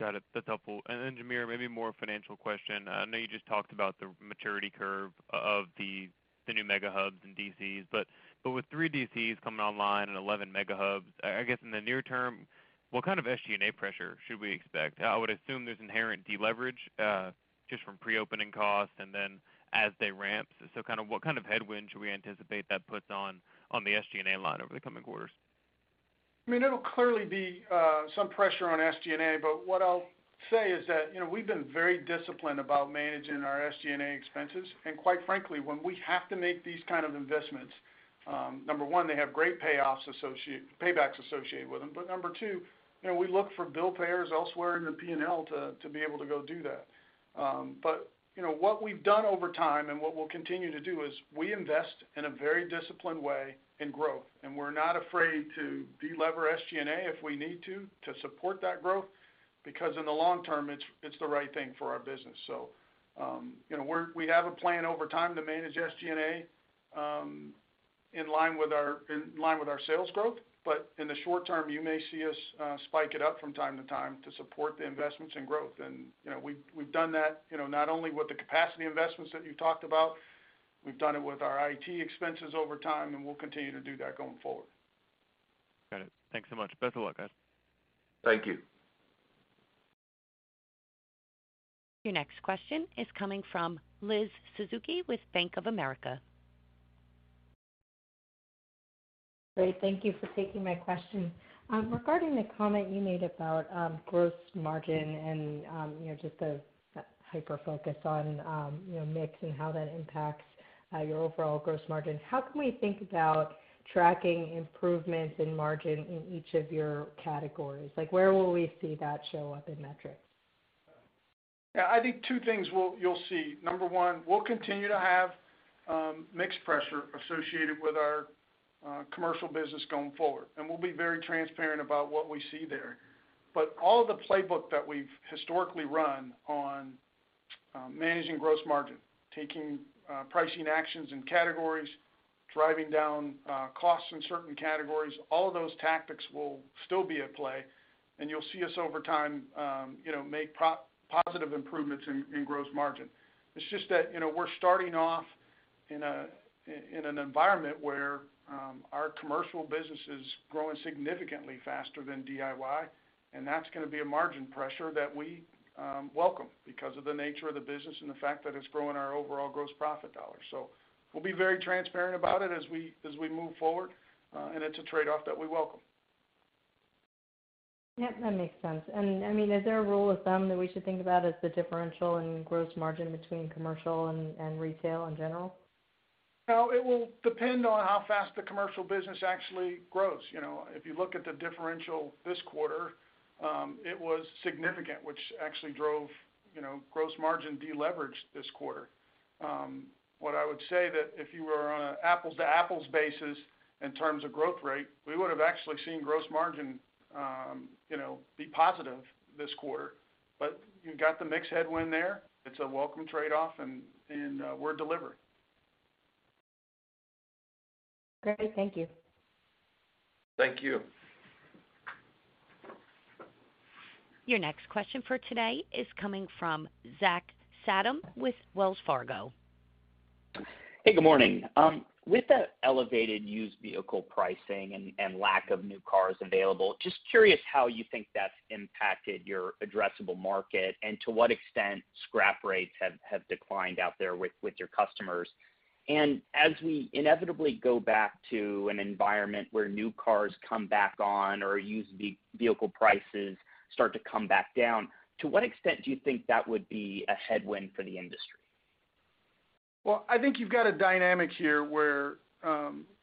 Got it. That's helpful. Then Jamere, maybe a more financial question. I know you just talked about the maturity curve of the new Mega Hubs and DCs. With three DCs coming online and 11 Mega Hubs, I guess in the near term, what kind of SG&A pressure should we expect? I would assume there's inherent deleverage just from pre-opening costs and then as they ramp. Kind of what kind of headwind should we anticipate that puts on the SG&A line over the coming quarters? I mean, it'll clearly be some pressure on SG&A, but what I'll say is that, you know, we've been very disciplined about managing our SG&A expenses. Quite frankly, when we have to make these kind of investments, number one, they have great paybacks associated with them. Number two, you know, we look for bill payers elsewhere in the P&L to be able to go do that. What we've done over time and what we'll continue to do is we invest in a very disciplined way in growth. We're not afraid to delever SG&A if we need to support that growth, because in the long term, it's the right thing for our business. We have a plan over time to manage SG&A in line with our sales growth. In the short term, you may see us spike it up from time to time to support the investments and growth. You know, we've done that, you know, not only with the capacity investments that you talked about. We've done it with our IT expenses over time, and we'll continue to do that going forward. Got it. Thanks so much. Best of luck, guys. Thank you. Your next question is coming from Elizabeth Suzuki with Bank of America. Great. Thank you for taking my question. Regarding the comment you made about gross margin and you know, just the hyperfocus on you know, mix and how that impacts your overall gross margin, how can we think about tracking improvements in margin in each of your categories? Like, where will we see that show up in metrics? Yeah. I think two things you'll see. Number one, we'll continue to have mix pressure associated with our commercial business going forward, and we'll be very transparent about what we see there. All the playbook that we've historically run on managing gross margin, taking pricing actions in categories, driving down costs in certain categories, all of those tactics will still be at play. You'll see us over time, you know, make positive improvements in gross margin. It's just that, you know, we're starting off in an environment where our commercial business is growing significantly faster than DIY, and that's gonna be a margin pressure that we welcome because of the nature of the business and the fact that it's growing our overall gross profit dollars. We'll be very transparent about it as we move forward, and it's a trade-off that we welcome. Yep, that makes sense. I mean, is there a rule of thumb that we should think about as the differential in gross margin between commercial and retail in general? No, it will depend on how fast the commercial business actually grows. You know, if you look at the differential this quarter, it was significant, which actually drove, you know, gross margin deleverage this quarter. What I would say that if you were on a apples-to-apples basis in terms of growth rate, we would have actually seen gross margin, you know, be positive this quarter. You got the mix headwind there. It's a welcome trade-off, and we're delivering. Great. Thank you. Thank you. Your next question for today is coming from Zachary Fadem with Wells Fargo. Hey, good morning. With the elevated used vehicle pricing and lack of new cars available, just curious how you think that's impacted your addressable market and to what extent scrap rates have declined out there with your customers. As we inevitably go back to an environment where new cars come back on or used vehicle prices start to come back down, to what extent do you think that would be a headwind for the industry? Well, I think you've got a dynamic here where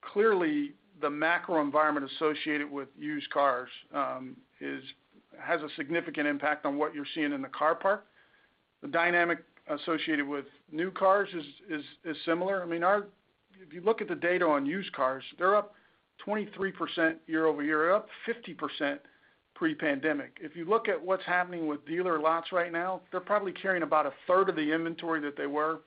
clearly the macro environment associated with used cars has a significant impact on what you're seeing in the car park. The dynamic associated with new cars is similar. I mean, if you look at the data on used cars, they're up 23% year-over-year, up 50% pre-pandemic. If you look at what's happening with dealer lots right now, they're probably carrying about a third of the inventory that they were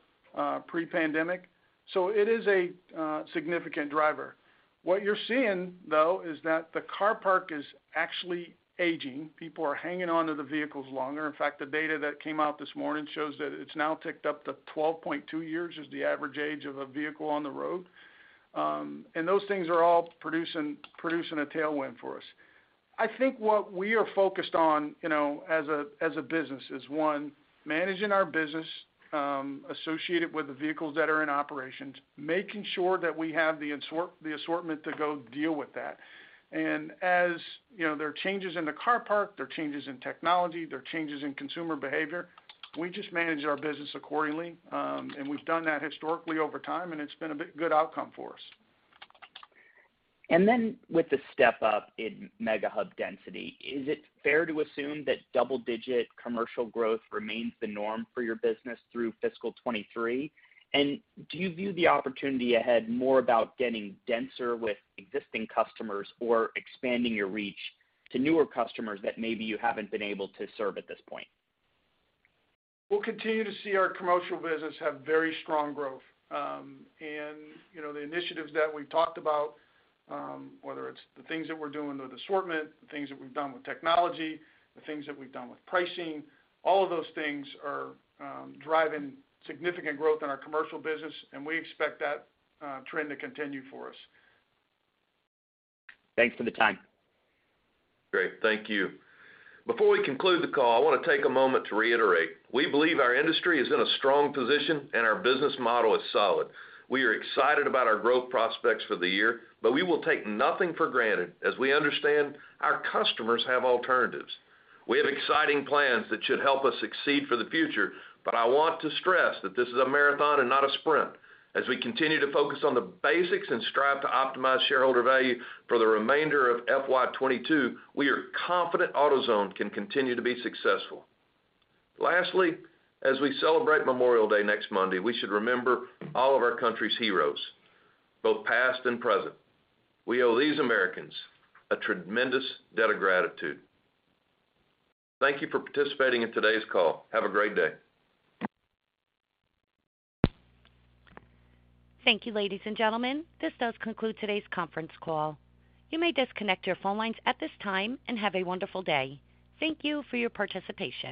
pre-pandemic. It is a significant driver. What you're seeing, though, is that the car park is actually aging. People are hanging on to the vehicles longer. In fact, the data that came out this morning shows that it's now ticked up to 12.2 years, the average age of a vehicle on the road. Those things are all producing a tailwind for us. I think what we are focused on, you know, as a business is one, managing our business associated with the vehicles that are in operations, making sure that we have the assortment to go deal with that. As you know, there are changes in the car park, there are changes in technology, there are changes in consumer behavior. We just manage our business accordingly. We've done that historically over time, and it's been a good outcome for us. With the step up in Mega Hubs density, is it fair to assume that double-digit commercial growth remains the norm for your business through fiscal 2023? Do you view the opportunity ahead more about getting denser with existing customers or expanding your reach to newer customers that maybe you haven't been able to serve at this point? We'll continue to see our commercial business have very strong growth. You know, the initiatives that we've talked about, whether it's the things that we're doing with assortment, the things that we've done with technology, the things that we've done with pricing, all of those things are driving significant growth in our commercial business, and we expect that trend to continue for us. Thanks for the time. Great. Thank you. Before we conclude the call, I wanna take a moment to reiterate. We believe our industry is in a strong position and our business model is solid. We are excited about our growth prospects for the year, but we will take nothing for granted as we understand our customers have alternatives. We have exciting plans that should help us succeed for the future, but I want to stress that this is a marathon and not a sprint. As we continue to focus on the basics and strive to optimize shareholder value for the remainder of FY22, we are confident AutoZone can continue to be successful. Lastly, as we celebrate Memorial Day next Monday, we should remember all of our country's heroes, both past and present. We owe these Americans a tremendous debt of gratitude. Thank you for participating in today's call. Have a great day. Thank you, ladies and gentlemen. This does conclude today's conference call. You may disconnect your phone lines at this time, and have a wonderful day. Thank you for your participation.